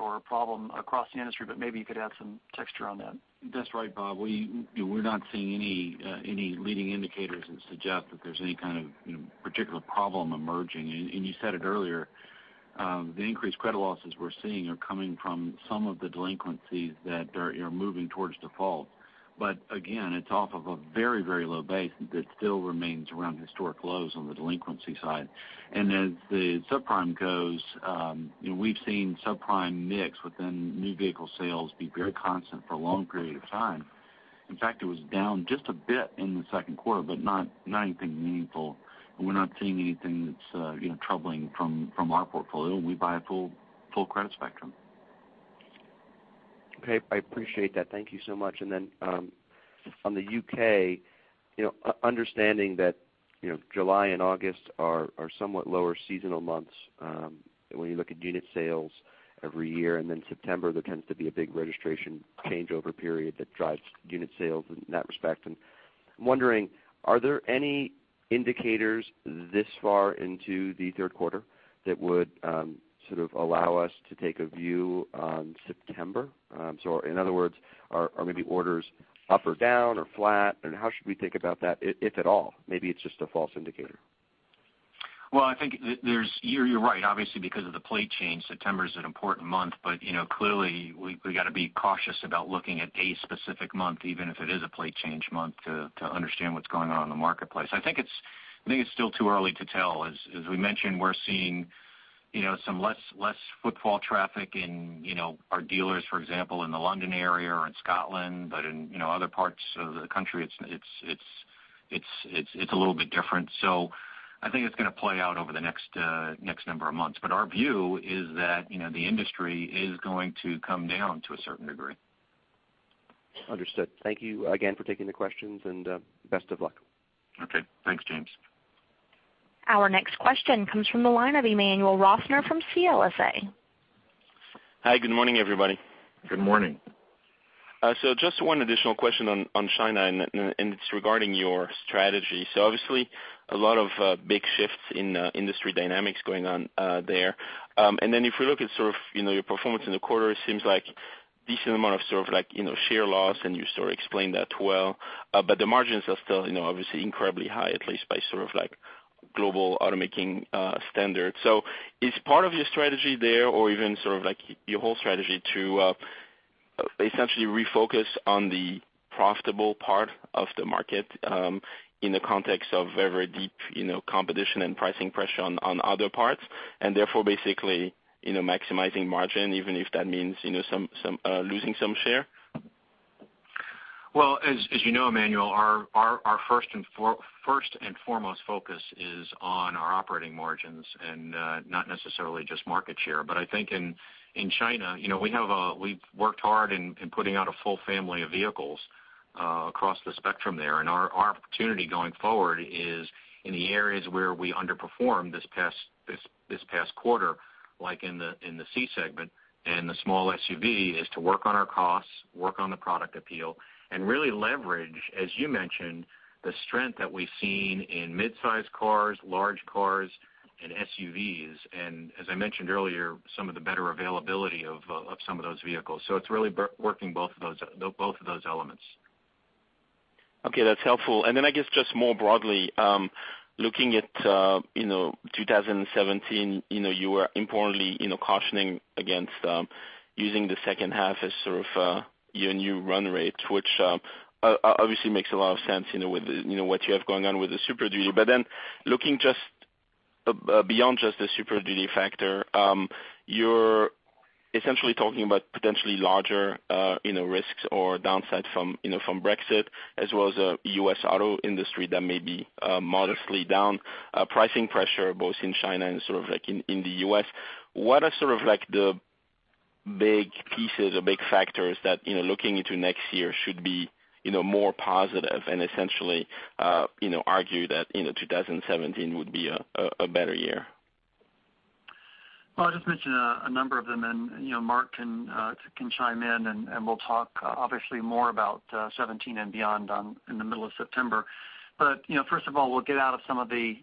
[SPEAKER 4] or a problem across the industry, maybe you could add some texture on that.
[SPEAKER 15] That's right, Bob. We're not seeing any leading indicators that suggest that there's any kind of particular problem emerging. You said it earlier, the increased credit losses we're seeing are coming from some of the delinquencies that are moving towards default. Again, it's off of a very low base that still remains around historic lows on the delinquency side. As the subprime goes, we've seen subprime mix within new vehicle sales be very constant for a long period of time. In fact, it was down just a bit in the second quarter, but not anything meaningful, and we're not seeing anything that's troubling from our portfolio, and we buy a full credit spectrum.
[SPEAKER 14] Okay. I appreciate that. Thank you so much. On the U.K., understanding that July and August are somewhat lower seasonal months when you look at unit sales every year, then September, there tends to be a big registration changeover period that drives unit sales in that respect. I'm wondering, are there any indicators this far into the third quarter that would sort of allow us to take a view on September? In other words, are maybe orders up or down or flat, and how should we think about that, if at all? Maybe it's just a false indicator.
[SPEAKER 3] Well, I think you're right. Obviously, because of the plate change, September is an important month. Clearly, we got to be cautious about looking at a specific month, even if it is a plate change month, to understand what's going on in the marketplace. I think it's still too early to tell. As we mentioned, we're seeing some less footfall traffic in our dealers, for example, in the London area or in Scotland. In other parts of the country, it's a little bit different. I think it's going to play out over the next number of months. Our view is that the industry is going to come down to a certain degree.
[SPEAKER 14] Understood. Thank you again for taking the questions, and best of luck.
[SPEAKER 3] Okay. Thanks, James.
[SPEAKER 1] Our next question comes from the line of Emmanuel Rosner from CLSA.
[SPEAKER 16] Hi, good morning, everybody.
[SPEAKER 3] Good morning.
[SPEAKER 16] Just one additional question on China, and it's regarding your strategy. Obviously, a lot of big shifts in industry dynamics going on there. If we look at sort of your performance in the quarter, it seems like a decent amount of sort of share loss, and you sort of explained that well. The margins are still obviously incredibly high, at least by sort of global automaking standards. Is part of your strategy there or even sort of your whole strategy to essentially refocus on the profitable part of the market, in the context of very deep competition and pricing pressure on other parts, and therefore basically, maximizing margin, even if that means losing some share?
[SPEAKER 3] Well, as you know, Emmanuel, our first and foremost focus is on our operating margins and not necessarily just market share. I think in China, we've worked hard in putting out a full family of vehicles across the spectrum there. Our opportunity going forward is in the areas where we underperformed this past quarter, like in the C segment and the small SUV, is to work on our costs, work on the product appeal, and really leverage, as you mentioned, the strength that we've seen in mid-size cars, large cars, and SUVs. As I mentioned earlier, some of the better availability of some of those vehicles. It's really working both of those elements.
[SPEAKER 16] Okay, that's helpful. I guess just more broadly, looking at 2017, you were importantly cautioning against using the second half as sort of your new run rate, which obviously makes a lot of sense with what you have going on with the Super Duty. Looking just beyond just the Super Duty factor, you're essentially talking about potentially larger risks or downside from Brexit as well as a U.S. auto industry that may be modestly down, pricing pressure both in China and sort of like in the U.S. What are sort of like the big pieces or big factors that looking into next year should be more positive and essentially argue that 2017 would be a better year?
[SPEAKER 4] Well, I'll just mention a number of them and Mark can chime in and we'll talk obviously more about 2017 and beyond in the middle of September. First of all, we'll get out of some of the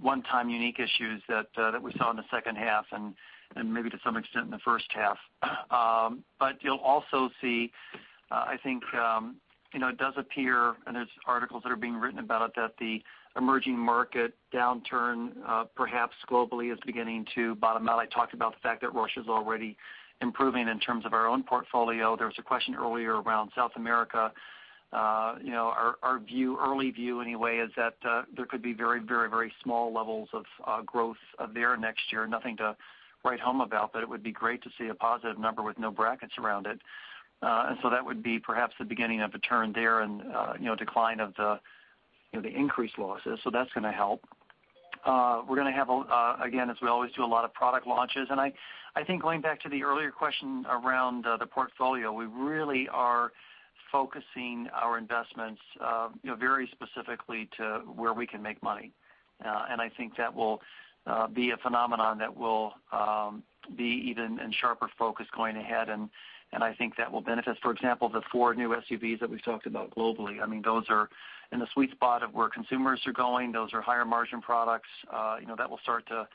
[SPEAKER 4] one-time unique issues that we saw in the second half and maybe to some extent in the first half. You'll also see, I think it does appear, and there's articles that are being written about it, that the emerging market downturn perhaps globally is beginning to bottom out. I talked about the fact that Russia is already improving in terms of our own portfolio. There was a question earlier around South America. Our early view anyway is that there could be very small levels of growth there next year. Nothing to write home about, but it would be great to see a positive number with no brackets around it. That would be perhaps the beginning of a turn there and decline of the increased losses. That's going to help. We're going to have, again, as we always do, a lot of product launches. I think going back to the earlier question around the portfolio, we really are focusing our investments very specifically to where we can make money. I think that will be a phenomenon that will be even in sharper focus going ahead, and I think that will benefit. For example, the four new SUVs that we've talked about globally. Those are in the sweet spot of where consumers are going. Those are higher margin products. That will start to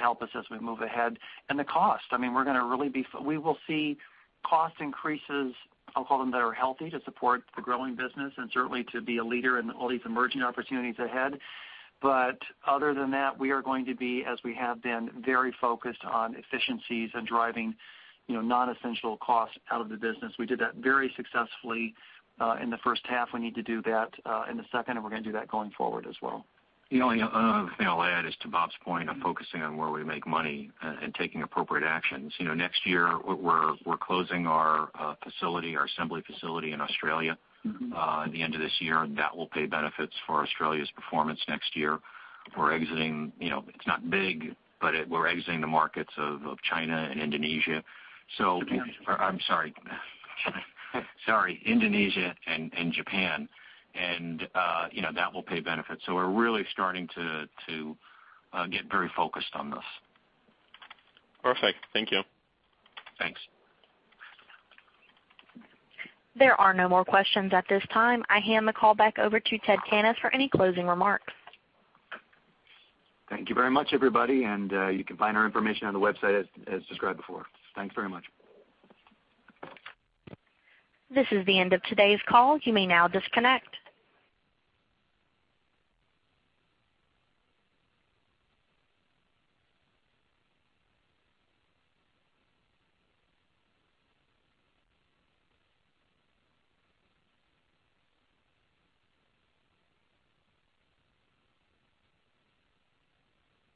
[SPEAKER 4] help us as we move ahead. The cost. We will see cost increases, I'll call them, that are healthy to support the growing business and certainly to be a leader in all these emerging opportunities ahead. Other than that, we are going to be, as we have been, very focused on efficiencies and driving non-essential costs out of the business. We did that very successfully in the first half. We need to do that in the second, we're going to do that going forward as well.
[SPEAKER 3] The only other thing I'll add is to Bob's point of focusing on where we make money and taking appropriate actions. Next year, we're closing our facility, our assembly facility in Australia at the end of this year. That will pay benefits for Australia's performance next year. We're exiting, it's not big, but we're exiting the markets of China and Indonesia.
[SPEAKER 16] Japan.
[SPEAKER 3] I'm sorry. Sorry, Indonesia and Japan, that will pay benefits. We're really starting to get very focused on this.
[SPEAKER 16] Perfect. Thank you.
[SPEAKER 3] Thanks.
[SPEAKER 1] There are no more questions at this time. I hand the call back over to Ted Cannis for any closing remarks.
[SPEAKER 2] Thank you very much, everybody. You can find our information on the website as described before. Thanks very much.
[SPEAKER 1] This is the end of today's call. You may now disconnect.